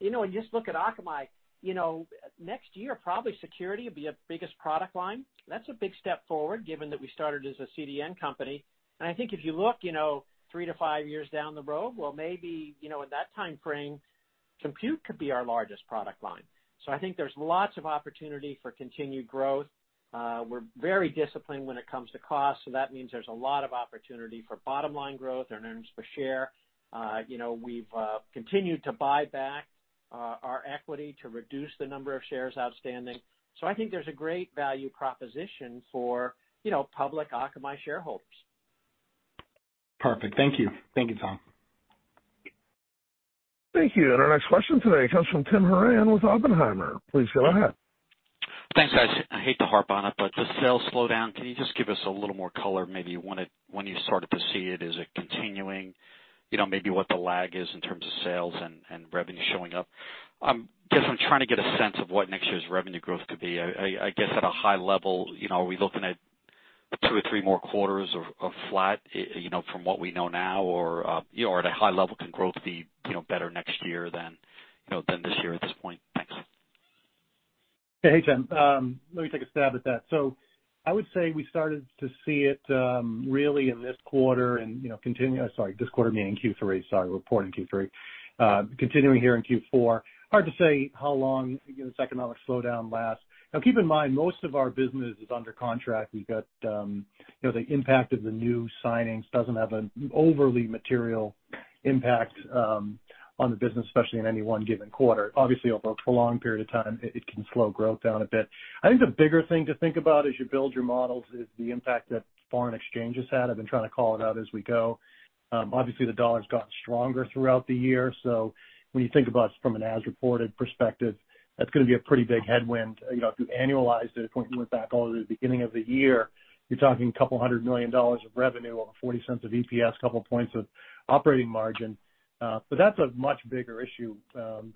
Speaker 3: You know, when you just look at Akamai, you know, next year, probably security will be our biggest product line. That's a big step forward, given that we started as a CDN company. I think if you look, you know, 3-5 years down the road, well, maybe, you know, in that timeframe, compute could be our largest product line. I think there's lots of opportunity for continued growth. We're very disciplined when it comes to cost, so that means there's a lot of opportunity for bottom line growth and earnings per share. You know, we've continued to buy back our equity to reduce the number of shares outstanding. I think there's a great value proposition for, you know, public Akamai shareholders.
Speaker 9: Perfect. Thank you. Thank you, Tom.
Speaker 1: Thank you. Our next question today comes from Tim Horan with Oppenheimer. Please go ahead.
Speaker 10: Thanks, guys. I hate to harp on it, but the sales slowdown, can you just give us a little more color? Maybe when you started to see it, is it continuing? You know, maybe what the lag is in terms of sales and revenue showing up. I'm guessing, I'm trying to get a sense of what next year's revenue growth could be. I guess at a high level, you know, are we looking at two or three more quarters of flat, you know, from what we know now? Or, you know, at a high level, can growth be, you know, better next year than, you know, than this year at this point? Thanks.
Speaker 4: Hey, Tim. Let me take a stab at that. I would say we started to see it really in this quarter, meaning Q3, and, you know, continuing here in Q4. Hard to say how long this economic slowdown lasts. Keep in mind, most of our business is under contract. We've got, you know, the impact of the new signings doesn't have an overly material impact on the business, especially in any one given quarter. Obviously, over a prolonged period of time, it can slow growth down a bit. I think the bigger thing to think about as you build your models is the impact that foreign exchange has had. I've been trying to call it out as we go. Obviously, the US dollar's gotten stronger throughout the year. When you think about from an as-reported perspective, that's gonna be a pretty big headwind. You know, if you annualize it, if we went back all the way to the beginning of the year, you're talking $200 million of revenue on $0.40 of EPS, 2 points of operating margin. That's a much bigger issue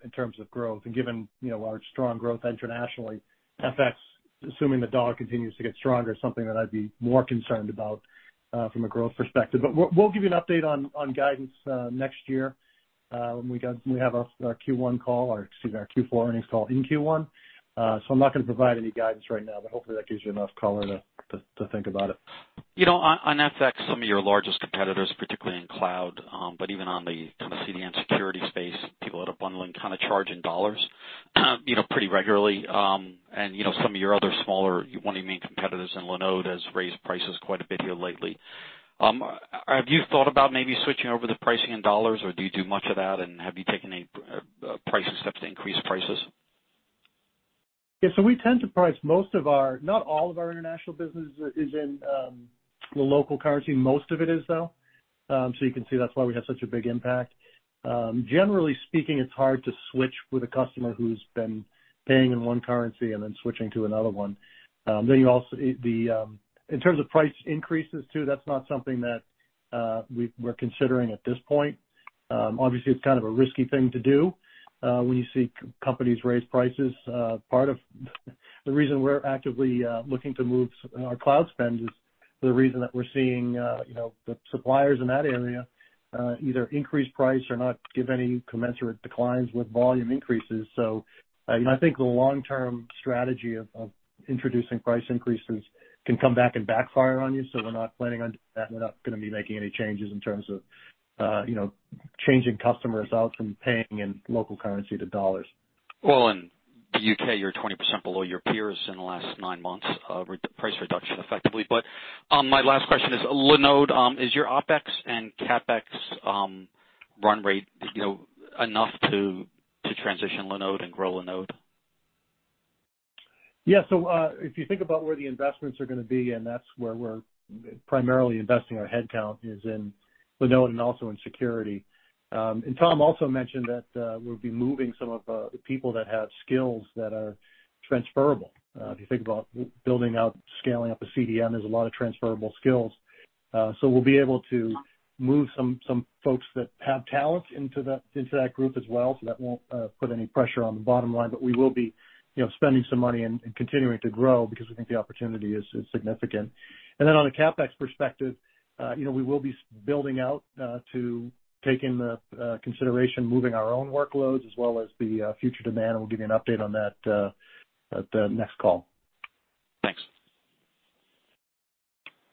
Speaker 4: in terms of growth. Given, you know, our strong growth internationally, FX, assuming the dollar continues to get stronger, is something that I'd be more concerned about from a growth perspective. We'll give you an update on guidance next year when we have our Q1 call, or excuse me, our Q4 earnings call in Q1. I'm not gonna provide any guidance right now, but hopefully that gives you enough color to think about it.
Speaker 10: You know, on FX, some of your largest competitors, particularly in cloud, but even on the CDN security space, people that are bundling, kinda charge in dollars, you know, pretty regularly. You know, some of your other smaller, one of your main competitors in Linode has raised prices quite a bit here lately. Have you thought about maybe switching over the pricing in dollars, or do you do much of that, and have you taken any price steps to increase prices?
Speaker 4: Yeah. We tend to price most of our international business in the local currency. Not all of it is, though. You can see that's why we have such a big impact. Generally speaking, it's hard to switch with a customer who's been paying in one currency and then switching to another one. In terms of price increases too, that's not something that we're considering at this point. Obviously, it's kind of a risky thing to do when you see companies raise prices. Part of the reason we're actively looking to move our cloud spend is the reason that we're seeing, you know, the suppliers in that area either increase price or not give any commensurate declines with volume increases. You know, I think the long-term strategy of introducing price increases can come back and backfire on you. We're not planning on doing that. We're not gonna be making any changes in terms of, you know, changing customers out from paying in local currency to dollars.
Speaker 10: Well, in the U.K., you're 20% below your peers in the last nine months of price reduction effectively. My last question is Linode, is your OpEx and CapEx run rate, you know, enough to transition Linode and grow Linode?
Speaker 4: If you think about where the investments are gonna be, and that's where we're primarily investing our headcount, is in Linode and also in security. Tom also mentioned that we'll be moving some of the people that have skills that are transferable. If you think about building out, scaling up a CDN, there's a lot of transferable skills. We'll be able to move some folks that have talent into that group as well. That won't put any pressure on the bottom line, but we will be, you know, spending some money and continuing to grow because we think the opportunity is significant. On a CapEx perspective, you know, we will be building out to take into consideration moving our own workloads as well as the future demand, and we'll give you an update on that at the next call.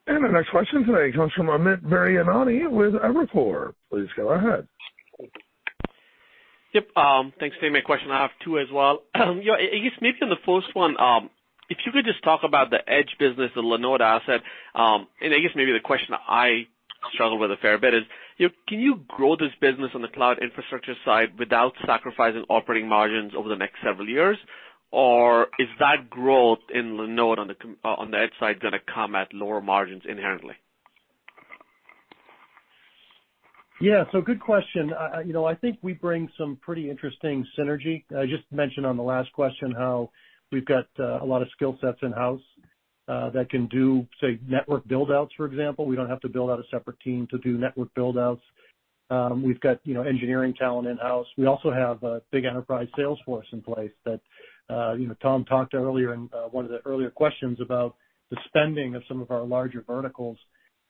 Speaker 1: Our next question today comes from Amit Daryanani with Evercore. Please go ahead.
Speaker 11: Yep. Thanks for taking my question. I have two as well. You know, I guess maybe on the first one, if you could just talk about the Edge business, the Linode asset. I guess maybe the question I struggle with a fair bit is, you know, can you grow this business on the cloud infrastructure side without sacrificing operating margins over the next several years? Or is that growth in Linode on the Edge side gonna come at lower margins inherently?
Speaker 4: Yeah. Good question. You know, I think we bring some pretty interesting synergy. I just mentioned on the last question how we've got a lot of skill sets in-house that can do, say, network build-outs, for example. We don't have to build out a separate team to do network build-outs. We've got, you know, engineering talent in-house. We also have a big enterprise sales force in place that, you know, Tom talked earlier in one of the earlier questions about the spending of some of our larger verticals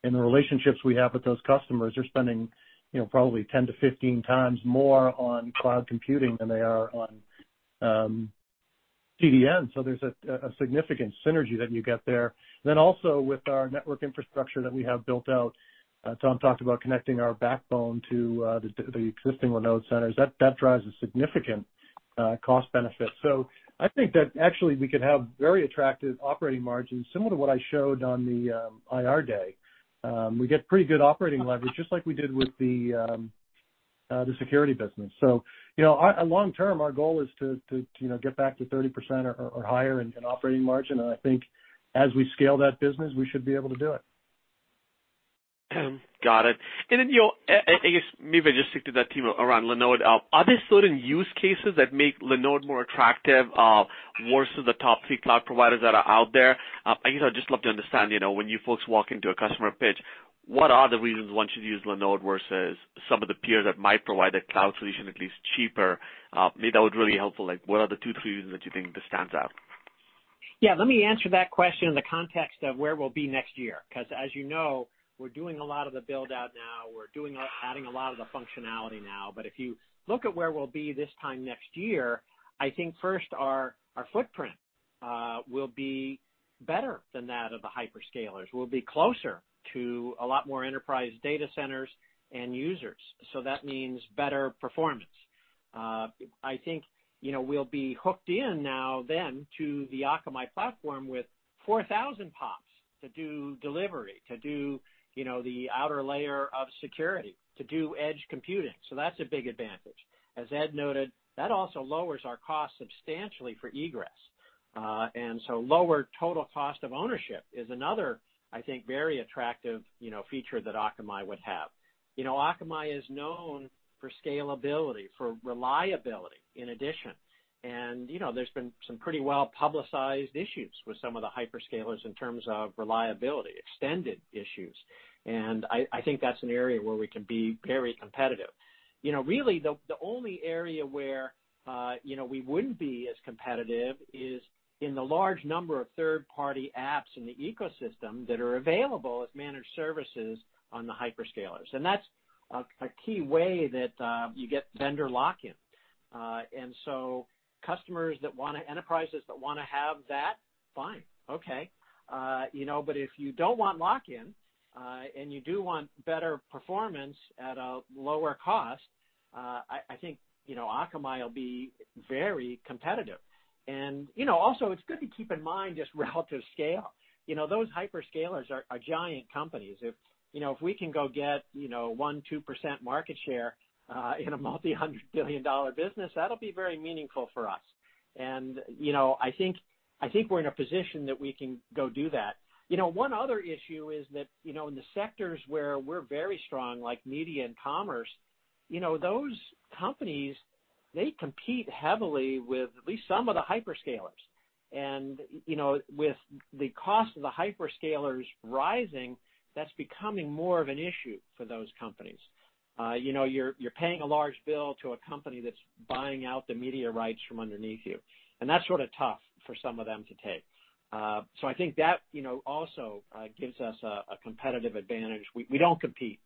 Speaker 4: and the relationships we have with those customers. They're spending, you know, probably 10-15 times more on cloud computing than they are on CDN, so there's a significant synergy that you get there. Also with our network infrastructure that we have built out, Tom talked about connecting our backbone to the existing Linode centers, that drives a significant cost benefit. I think that actually we could have very attractive operating margins, similar to what I showed on the IR day. We get pretty good operating leverage, just like we did with the security business. You know, long term, our goal is to you know, get back to 30% or higher in operating margin. I think as we scale that business, we should be able to do it.
Speaker 11: Got it. You know, I guess maybe I just stick to that theme around Linode. Are there certain use cases that make Linode more attractive versus the top three cloud providers that are out there? I guess I'd just love to understand, you know, when you folks walk into a customer pitch, what are the reasons one should use Linode versus some of the peers that might provide a cloud solution at least cheaper? Maybe that would really helpful, like what are the two, three reasons that you think this stands out?
Speaker 3: Yeah, let me answer that question in the context of where we'll be next year, 'cause as you know, we're doing a lot of the build-out now. We're adding a lot of the functionality now, but if you look at where we'll be this time next year, I think first our footprint will be better than that of the hyperscalers. We'll be closer to a lot more enterprise data centers and users, so that means better performance. I think, you know, we'll be hooked in now then to the Akamai platform with 4,000 POPs to do delivery, to do, you know, the outer layer of security, to do edge computing. So that's a big advantage. As Ed noted, that also lowers our cost substantially for egress. Lower total cost of ownership is another, I think, very attractive, you know, feature that Akamai would have. You know, Akamai is known for scalability, for reliability in addition. You know, there's been some pretty well-publicized issues with some of the hyperscalers in terms of reliability, extended issues. I think that's an area where we can be very competitive. You know, really, the only area where, you know, we wouldn't be as competitive is in the large number of third-party apps in the ecosystem that are available as managed services on the hyperscalers. That's a key way that you get vendor lock-in. Enterprises that wanna have that, fine. Okay. You know, if you don't want lock-in, and you do want better performance at a lower cost, I think, you know, Akamai will be very competitive. You know, also it's good to keep in mind just relative scale. You know, those hyperscalers are giant companies. If we can go get, you know, 1%-2% market share in a multi-hundred billion-dollar business, that'll be very meaningful for us. You know, I think we're in a position that we can go do that. You know, one other issue is that, you know, in the sectors where we're very strong, like media and commerce, you know, those companies, they compete heavily with at least some of the hyperscalers. You know, with the cost of the hyperscalers rising, that's becoming more of an issue for those companies. You know, you're paying a large bill to a company that's buying out the media rights from underneath you, and that's sort of tough for some of them to take. I think that, you know, also gives us a competitive advantage. We don't compete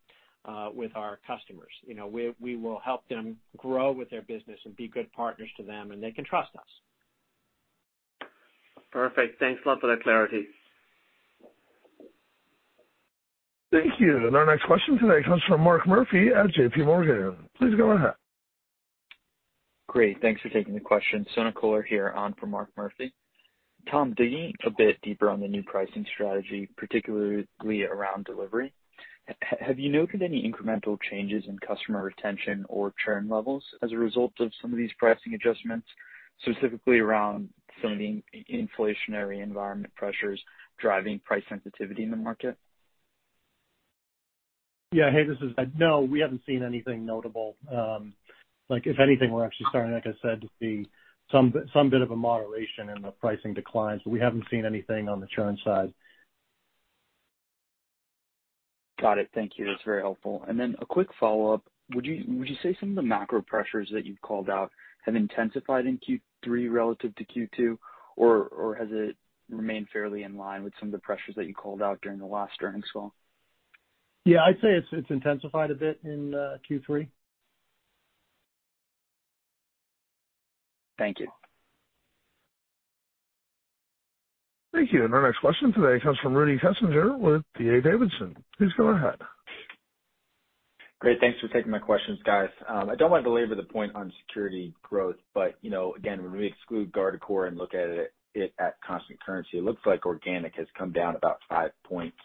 Speaker 3: with our customers. You know, we will help them grow with their business and be good partners to them, and they can trust us.
Speaker 11: Perfect. Thanks a lot for that clarity.
Speaker 1: Thank you. Our next question today comes from Mark Murphy at J.P. Morgan. Please go ahead.
Speaker 12: Great. Thanks for taking the question. Nicole here on for Mark Murphy. Tom, digging a bit deeper on the new pricing strategy, particularly around delivery, have you noted any incremental changes in customer retention or churn levels as a result of some of these pricing adjustments, specifically around some of the inflationary environment pressures driving price sensitivity in the market?
Speaker 4: Yeah. Hey, this is Ed. No, we haven't seen anything notable. Like if anything, we're actually starting, like I said, to see some bit of a moderation in the pricing declines, but we haven't seen anything on the churn side.
Speaker 12: Got it. Thank you. That's very helpful. A quick follow-up. Would you say some of the macro pressures that you've called out have intensified in Q3 relative to Q2, or has it remained fairly in line with some of the pressures that you called out during the last earnings call?
Speaker 4: Yeah, I'd say it's intensified a bit in Q3. Thank you.
Speaker 1: Thank you. Our next question today comes from Rudy Kessinger with D.A. Davidson. Please go ahead.
Speaker 13: Great. Thanks for taking my questions, guys. I don't want to belabor the point on security growth, but, you know, again, when we exclude Guardicore and look at it at constant currency, it looks like organic has come down about 5 points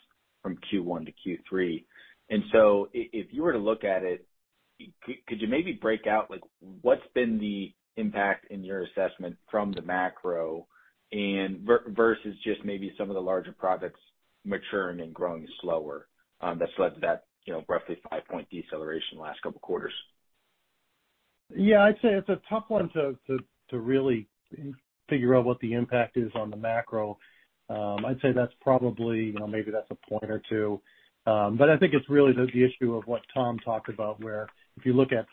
Speaker 13: from Q1 to Q3. If you were to look at it, could you maybe break out, like, what's been the impact in your assessment from the macro and versus just maybe some of the larger products maturing and growing slower, that's led to that, you know, roughly 5-point deceleration last couple quarters?
Speaker 4: Yeah, I'd say it's a tough one to really figure out what the impact is on the macro. I'd say that's probably, you know, maybe that's a point or two. I think it's really the issue of what Tom talked about, where if you look at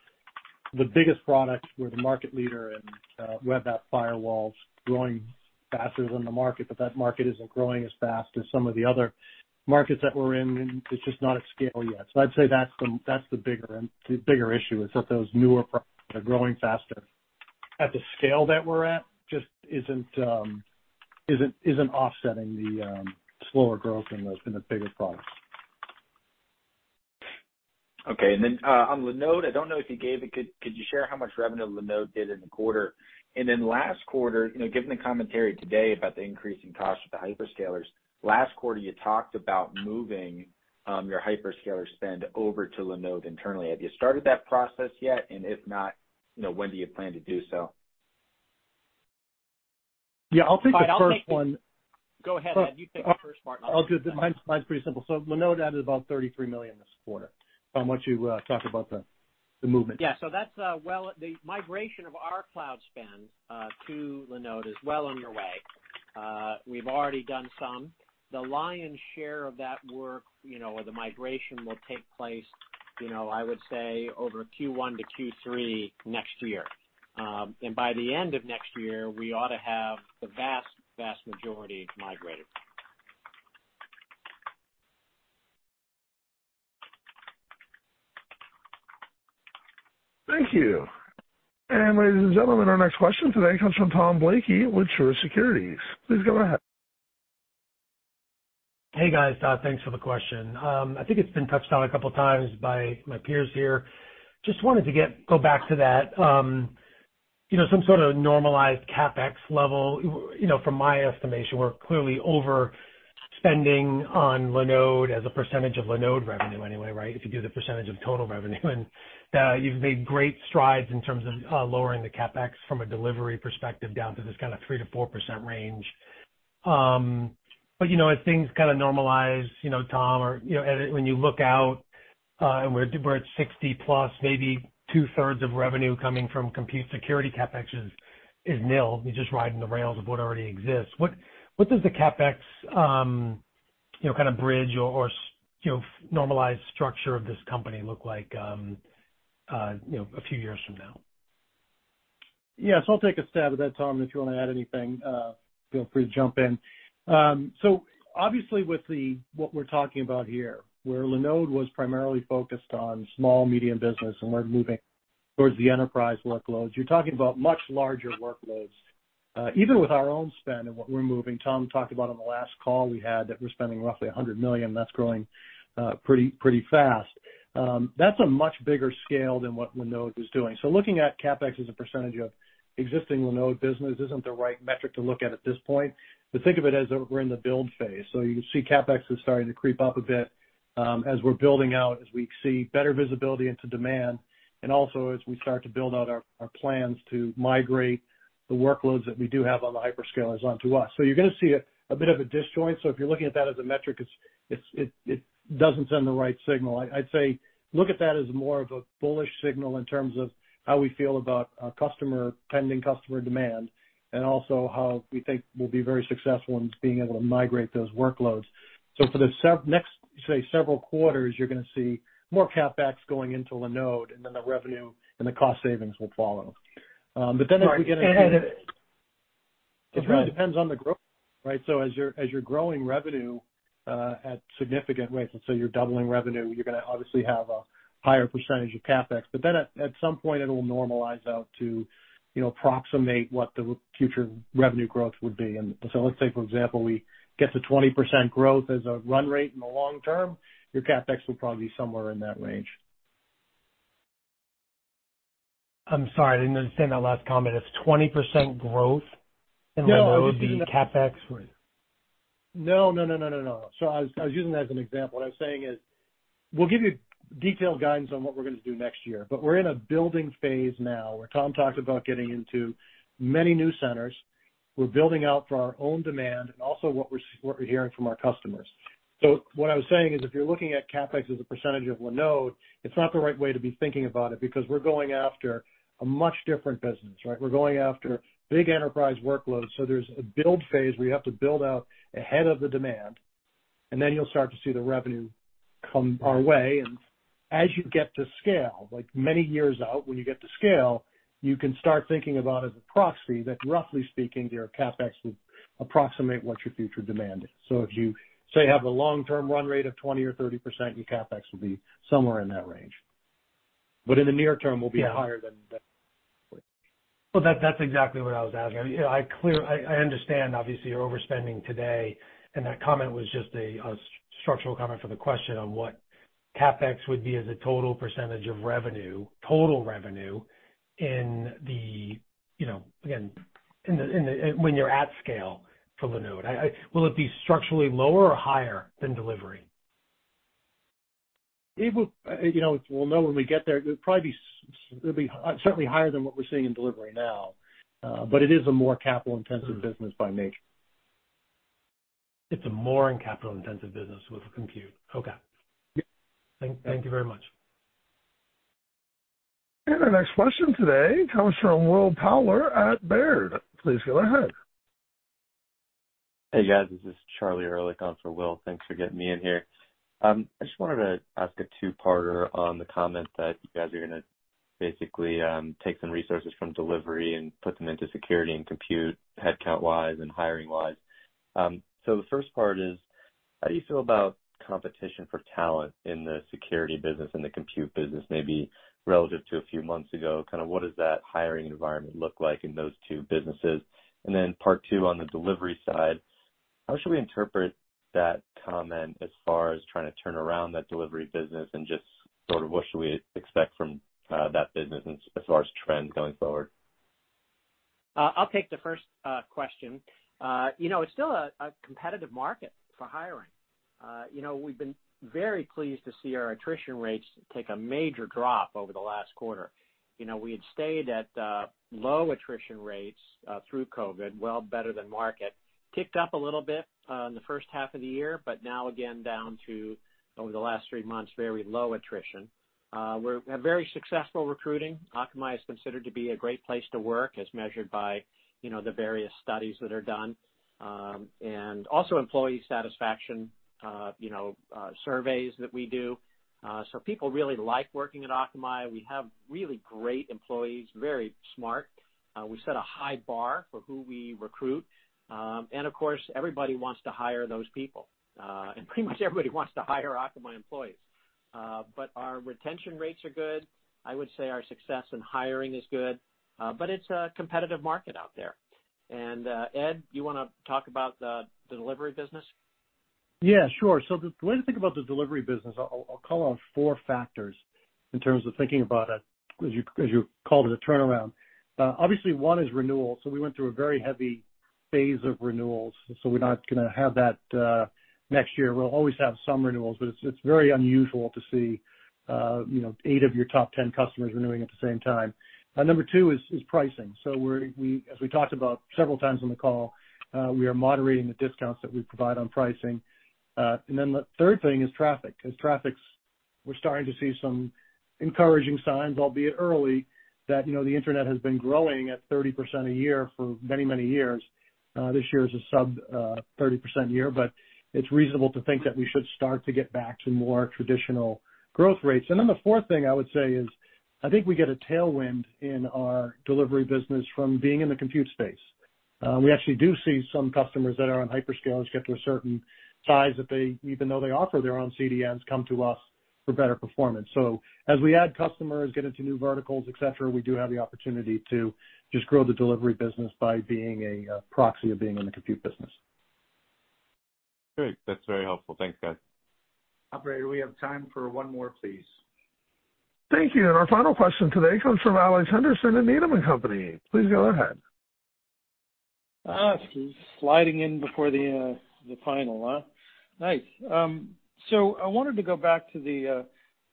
Speaker 4: the biggest products, we're the market leader and we have that firewall growing faster than the market, but that market isn't growing as fast as some of the other markets that we're in, and it's just not at scale yet. I'd say that's the bigger issue is that those newer products are growing faster. At the scale that we're at just isn't offsetting the slower growth in the bigger products.
Speaker 13: Okay. On Linode, I don't know if you gave it. Could you share how much revenue Linode did in the quarter? Last quarter, you know, given the commentary today about the increasing cost of the hyperscalers, last quarter you talked about moving your hyperscaler spend over to Linode internally. Have you started that process yet? And if not, you know, when do you plan to do so?
Speaker 4: Yeah, I'll take the first one.
Speaker 3: Go ahead. You take the first part and I'll take the second.
Speaker 4: Mine's pretty simple. Linode added about $33 million this quarter. Tom, why don't you talk about the movement?
Speaker 3: Yeah. That's well, the migration of our cloud spend to Linode is well on its way. We've already done some. The lion's share of that work, you know, the migration will take place, you know, I would say over Q1 to Q3 next year. By the end of next year, we ought to have the vast majority migrated.
Speaker 1: Thank you. Ladies and gentlemen, our next question today comes from Thomas Blakey with Truist Securities. Please go ahead.
Speaker 14: Hey, guys. Thanks for the question. I think it's been touched on a couple times by my peers here. Just wanted to go back to that, you know, some sort of normalized CapEx level. You know, from my estimation, we're clearly overspending on Linode as a percentage of Linode revenue anyway, right? If you do the percentage of total revenue. You've made great strides in terms of lowering the CapEx from a delivery perspective down to this kind of 3%-4% range. But, you know, as things kind of normalize, you know, Tom, or, you know, Ed when you look out, and we're at 60-plus maybe two-thirds of revenue coming from compute security CapEx is nil. You're just riding the rails of what already exists. What does the CapEx, you know, kind of bridge or fully normalized structure of this company look like, you know, a few years from now?
Speaker 4: Yeah. I'll take a stab at that, Tom. If you want to add anything, feel free to jump in. Obviously with the, what we're talking about here, where Linode was primarily focused on small, medium business and we're moving towards the enterprise workloads, you're talking about much larger workloads. Even with our own spend and what we're moving, Tom talked about on the last call we had that we're spending roughly $100 million, that's growing pretty fast. That's a much bigger scale than what Linode was doing. Looking at CapEx as a percentage of existing Linode business isn't the right metric to look at at this point. Think of it as we're in the build phase. You can see CapEx is starting to creep up a bit, as we're building out, as we see better visibility into demand, and also as we start to build out our plans to migrate the workloads that we do have on the hyperscalers onto us. You're gonna see a bit of a disjoint. If you're looking at that as a metric, it doesn't send the right signal. I'd say look at that as more of a bullish signal in terms of how we feel about our customer, pending customer demand and also how we think we'll be very successful in being able to migrate those workloads. For the next, say, several quarters, you're gonna see more CapEx going into Linode and then the revenue and the cost savings will follow.
Speaker 14: Right.
Speaker 4: It really depends on the growth, right? As you're growing revenue at significant rates, and so you're doubling revenue, you're gonna obviously have a higher percentage of CapEx. At some point it'll normalize out to, you know, approximate what the future revenue growth would be. Let's say, for example, we get to 20% growth as a run rate in the long term, your CapEx will probably be somewhere in that range.
Speaker 14: I'm sorry, I didn't understand that last comment. It's 20% growth and Linode would be CapEx?
Speaker 4: No, no, no. I was using that as an example. What I'm saying is we'll give you detailed guidance on what we're gonna do next year. We're in a building phase now where Tom talked about getting into many new centers. We're building out for our own demand and also what we're hearing from our customers. What I was saying is if you're looking at CapEx as a percentage of Linode, it's not the right way to be thinking about it because we're going after a much different business, right? We're going after big enterprise workloads, so there's a build phase where you have to build out ahead of the demand, and then you'll start to see the revenue come our way. As you get to scale, like many years out, when you get to scale, you can start thinking about as a proxy that roughly speaking, your CapEx would approximate what your future demand is. If you say you have a long-term run rate of 20%-30%, your CapEx will be somewhere in that range. In the near term, we'll be higher than-
Speaker 15: Well, that's exactly what I was asking. I mean, yeah, I understand obviously you're overspending today, and that comment was just a structural comment for the question on what CapEx would be as a total percentage of revenue, total revenue in the, you know, again, when you're at scale for Linode. Will it be structurally lower or higher than delivery?
Speaker 4: It will, you know, we'll know when we get there. It'll probably be certainly higher than what we're seeing in delivery now. It is a more capital-intensive business by nature.
Speaker 15: It's a more capital-intensive business with Compute. Okay.
Speaker 4: Yeah.
Speaker 15: Thank you very much.
Speaker 1: Our next question today comes from Will Power at Baird. Please go ahead.
Speaker 16: Hey, guys, this is Charlie Erlikh, covering for Will. Thanks for getting me in here. I just wanted to ask a two-parter on the comment that you guys are gonna basically take some resources from delivery and put them into security and compute, headcount-wise and hiring-wise. So the first part is: How do you feel about competition for talent in the security business and the compute business, maybe relative to a few months ago? Kinda what does that hiring environment look like in those two businesses? And then part two on the delivery side: How should we interpret that comment as far as trying to turn around that delivery business and just sort of what should we expect from that business as far as trends going forward?
Speaker 3: I'll take the first question. You know, it's still a competitive market for hiring. You know, we've been very pleased to see our attrition rates take a major drop over the last quarter. You know, we had stayed at low attrition rates through COVID, well better than market. Ticked up a little bit in the first half of the year, but now again down to over the last three months very low attrition. We're very successful recruiting. Akamai is considered to be a great place to work as measured by you know the various studies that are done, and also employee satisfaction you know surveys that we do. So people really like working at Akamai. We have really great employees, very smart. We set a high bar for who we recruit. Of course, everybody wants to hire those people. Pretty much everybody wants to hire Akamai employees. Our retention rates are good. I would say our success in hiring is good, but it's a competitive market out there. Ed, you wanna talk about the delivery business?
Speaker 4: Yeah, sure. The way to think about the delivery business, I'll call out four factors in terms of thinking about it, as you called it, a turnaround. Obviously one is renewal. We went through a very heavy phase of renewals, so we're not gonna have that next year. We'll always have some renewals, but it's very unusual to see, you know, 8 of your top 10 customers renewing at the same time. Number 2 is pricing. We are moderating the discounts that we provide on pricing, as we talked about several times on the call. The third thing is traffic, 'cause we're starting to see some encouraging signs, albeit early, that, you know, the internet has been growing at 30% a year for many years. This year is a sub-30% year, but it's reasonable to think that we should start to get back to more traditional growth rates. Then the fourth thing I would say is, I think we get a tailwind in our delivery business from being in the compute space. We actually do see some customers that are on hyperscalers get to a certain size that they, even though they offer their own CDNs, come to us for better performance. As we add customers, get into new verticals, et cetera, we do have the opportunity to just grow the delivery business by being a proxy of being in the compute business.
Speaker 16: Great. That's very helpful. Thanks, guys.
Speaker 3: Operator, we have time for one more, please.
Speaker 1: Thank you. Our final question today comes from Alex Henderson at Needham & Company. Please go ahead.
Speaker 15: Sliding in before the final. Nice. So I wanted to go back to the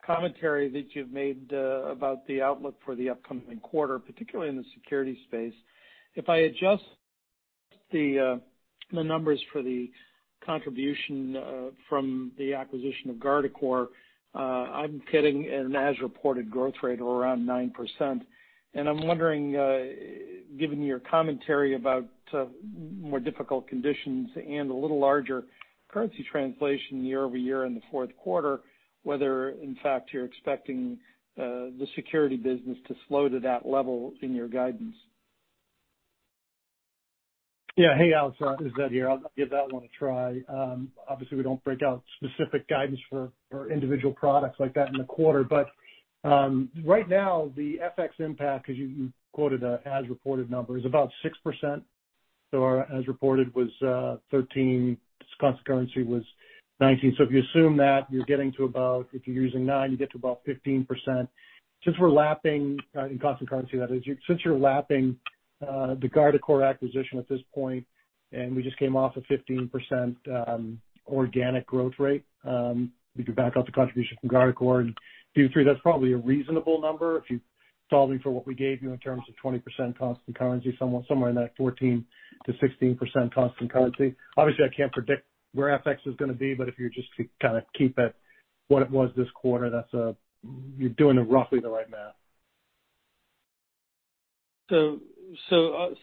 Speaker 15: commentary that you've made about the outlook for the upcoming quarter, particularly in the security space. If I adjust the numbers for the contribution from the acquisition of Guardicore, I'm getting an as-reported growth rate of around 9%. I'm wondering, given your commentary about more difficult conditions and a little larger currency translation year-over-year in the fourth quarter, whether in fact you're expecting the security business to slow to that level in your guidance.
Speaker 4: Hey, Alex, this is Ed here. I'll give that one a try. Obviously we don't break out specific guidance for individual products like that in the quarter, but right now the FX impact, as you quoted a as-reported number, is about 6%. So our as reported was 13%. Constant currency was 19%. So if you assume that, you're getting to about, if you're using 9, you get to about 15%. Since we're lapping in constant currency, since you're lapping the Guardicore acquisition at this point, and we just came off a 15% organic growth rate, we could back out the contribution from Guardicore and do 3%. That's probably a reasonable number if you solve it for what we gave you in terms of 20% constant currency, someone, somewhere in that 14%-16% constant currency. Obviously, I can't predict where FX is gonna be, but if you just kind of keep it what it was this quarter, that's, you're doing roughly the right math.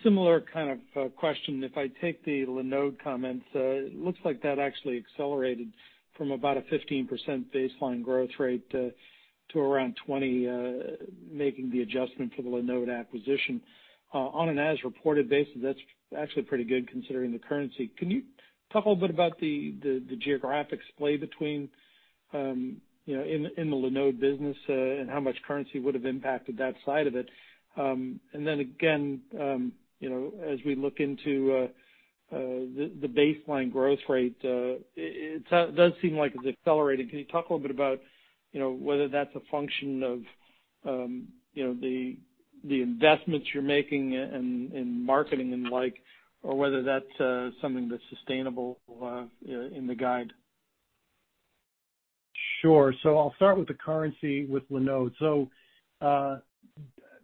Speaker 15: Similar kind of question. If I take the Linode comments, it looks like that actually accelerated from about a 15% baseline growth rate to around 20, making the adjustment for the Linode acquisition. On an as-reported basis, that's actually pretty good considering the currency. Can you talk a little bit about the geographic split between, you know, in the Linode business, and how much currency would have impacted that side of it? And then again, you know, as we look into the baseline growth rate, it does seem like it's accelerating. Can you talk a little bit about, you know, whether that's a function of the investments you're making in marketing and the like, or whether that's something that's sustainable, you know, in the guide?
Speaker 4: I'll start with the currency with Linode.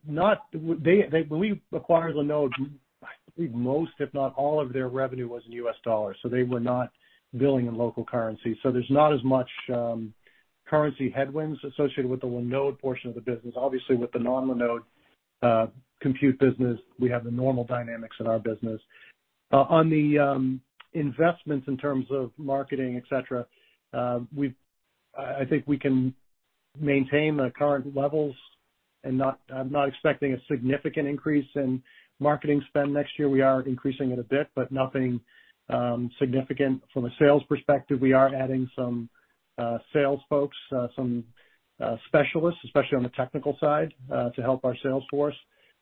Speaker 4: When we acquired Linode, I believe most, if not all of their revenue was in US dollars, so they were not billing in local currency. There's not as much currency headwinds associated with the Linode portion of the business. Obviously, with the non-Linode compute business, we have the normal dynamics in our business. On the investments in terms of marketing, et cetera, I think we can maintain the current levels and not expecting a significant increase in marketing spend next year. We are increasing it a bit, but nothing significant from a sales perspective. We are adding some sales folks, some specialists, especially on the technical side, to help our sales force,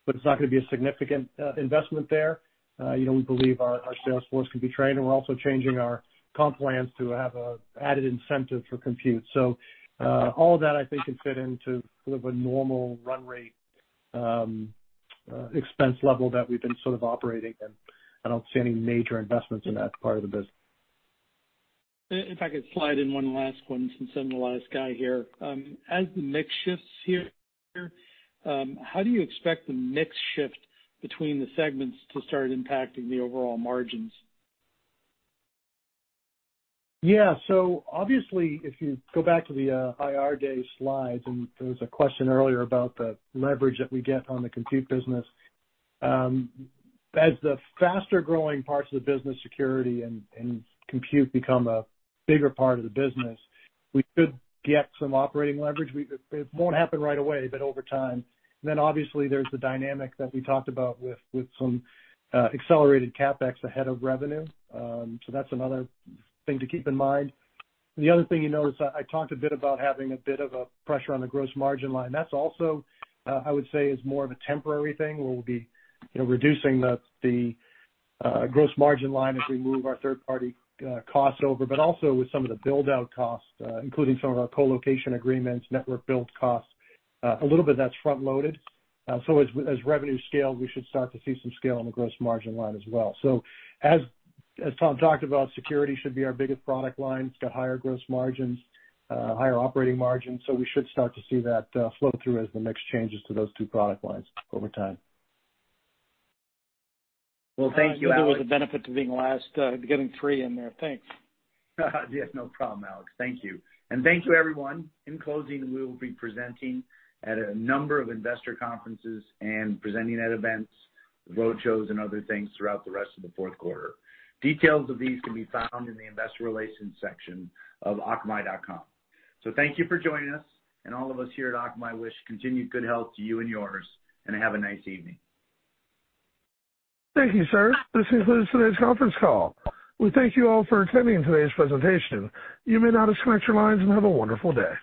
Speaker 4: but it's not gonna be a significant investment there. You know, we believe our sales force can be trained. We're also changing our comp plans to have a added incentive for compute. All of that, I think, can fit into sort of a normal run rate expense level that we've been sort of operating in. I don't see any major investments in that part of the business.
Speaker 15: If I could slide in one last one since I'm the last guy here. As the mix shifts here, how do you expect the mix shift between the segments to start impacting the overall margins?
Speaker 4: Yeah. Obviously, if you go back to the IR day slides, and there was a question earlier about the leverage that we get on the compute business, as the faster-growing parts of the business, security and compute, become a bigger part of the business, we could get some operating leverage. It won't happen right away, but over time. Obviously there's the dynamic that we talked about with some accelerated CapEx ahead of revenue. That's another thing to keep in mind. The other thing you notice, I talked a bit about having a bit of a pressure on the gross margin line. That's also, I would say, is more of a temporary thing where we'll be, you know, reducing the gross margin line as we move our third-party costs over, but also with some of the build-out costs, including some of our colocation agreements, network build costs. A little bit of that's front-loaded. As revenue scale, we should start to see some scale on the gross margin line as well. As Tom talked about, security should be our biggest product line. It's got higher gross margins, higher operating margins, so we should start to see that flow through as the mix changes to those two product lines over time.
Speaker 15: Well, thank you, Alex. That was the benefit to being last, getting three in there. Thanks.
Speaker 4: Yes, no problem, Alex. Thank you. Thank you, everyone. In closing, we will be presenting at a number of investor conferences and presenting at events, roadshows, and other things throughout the rest of the fourth quarter. Details of these can be found in the investor relations section of akamai.com. Thank you for joining us, and all of us here at Akamai wish continued good health to you and yours, and have a nice evening.
Speaker 17: Thank you, sir. This concludes today's conference call. We thank you all for attending today's presentation. You may now disconnect your lines and have a wonderful day.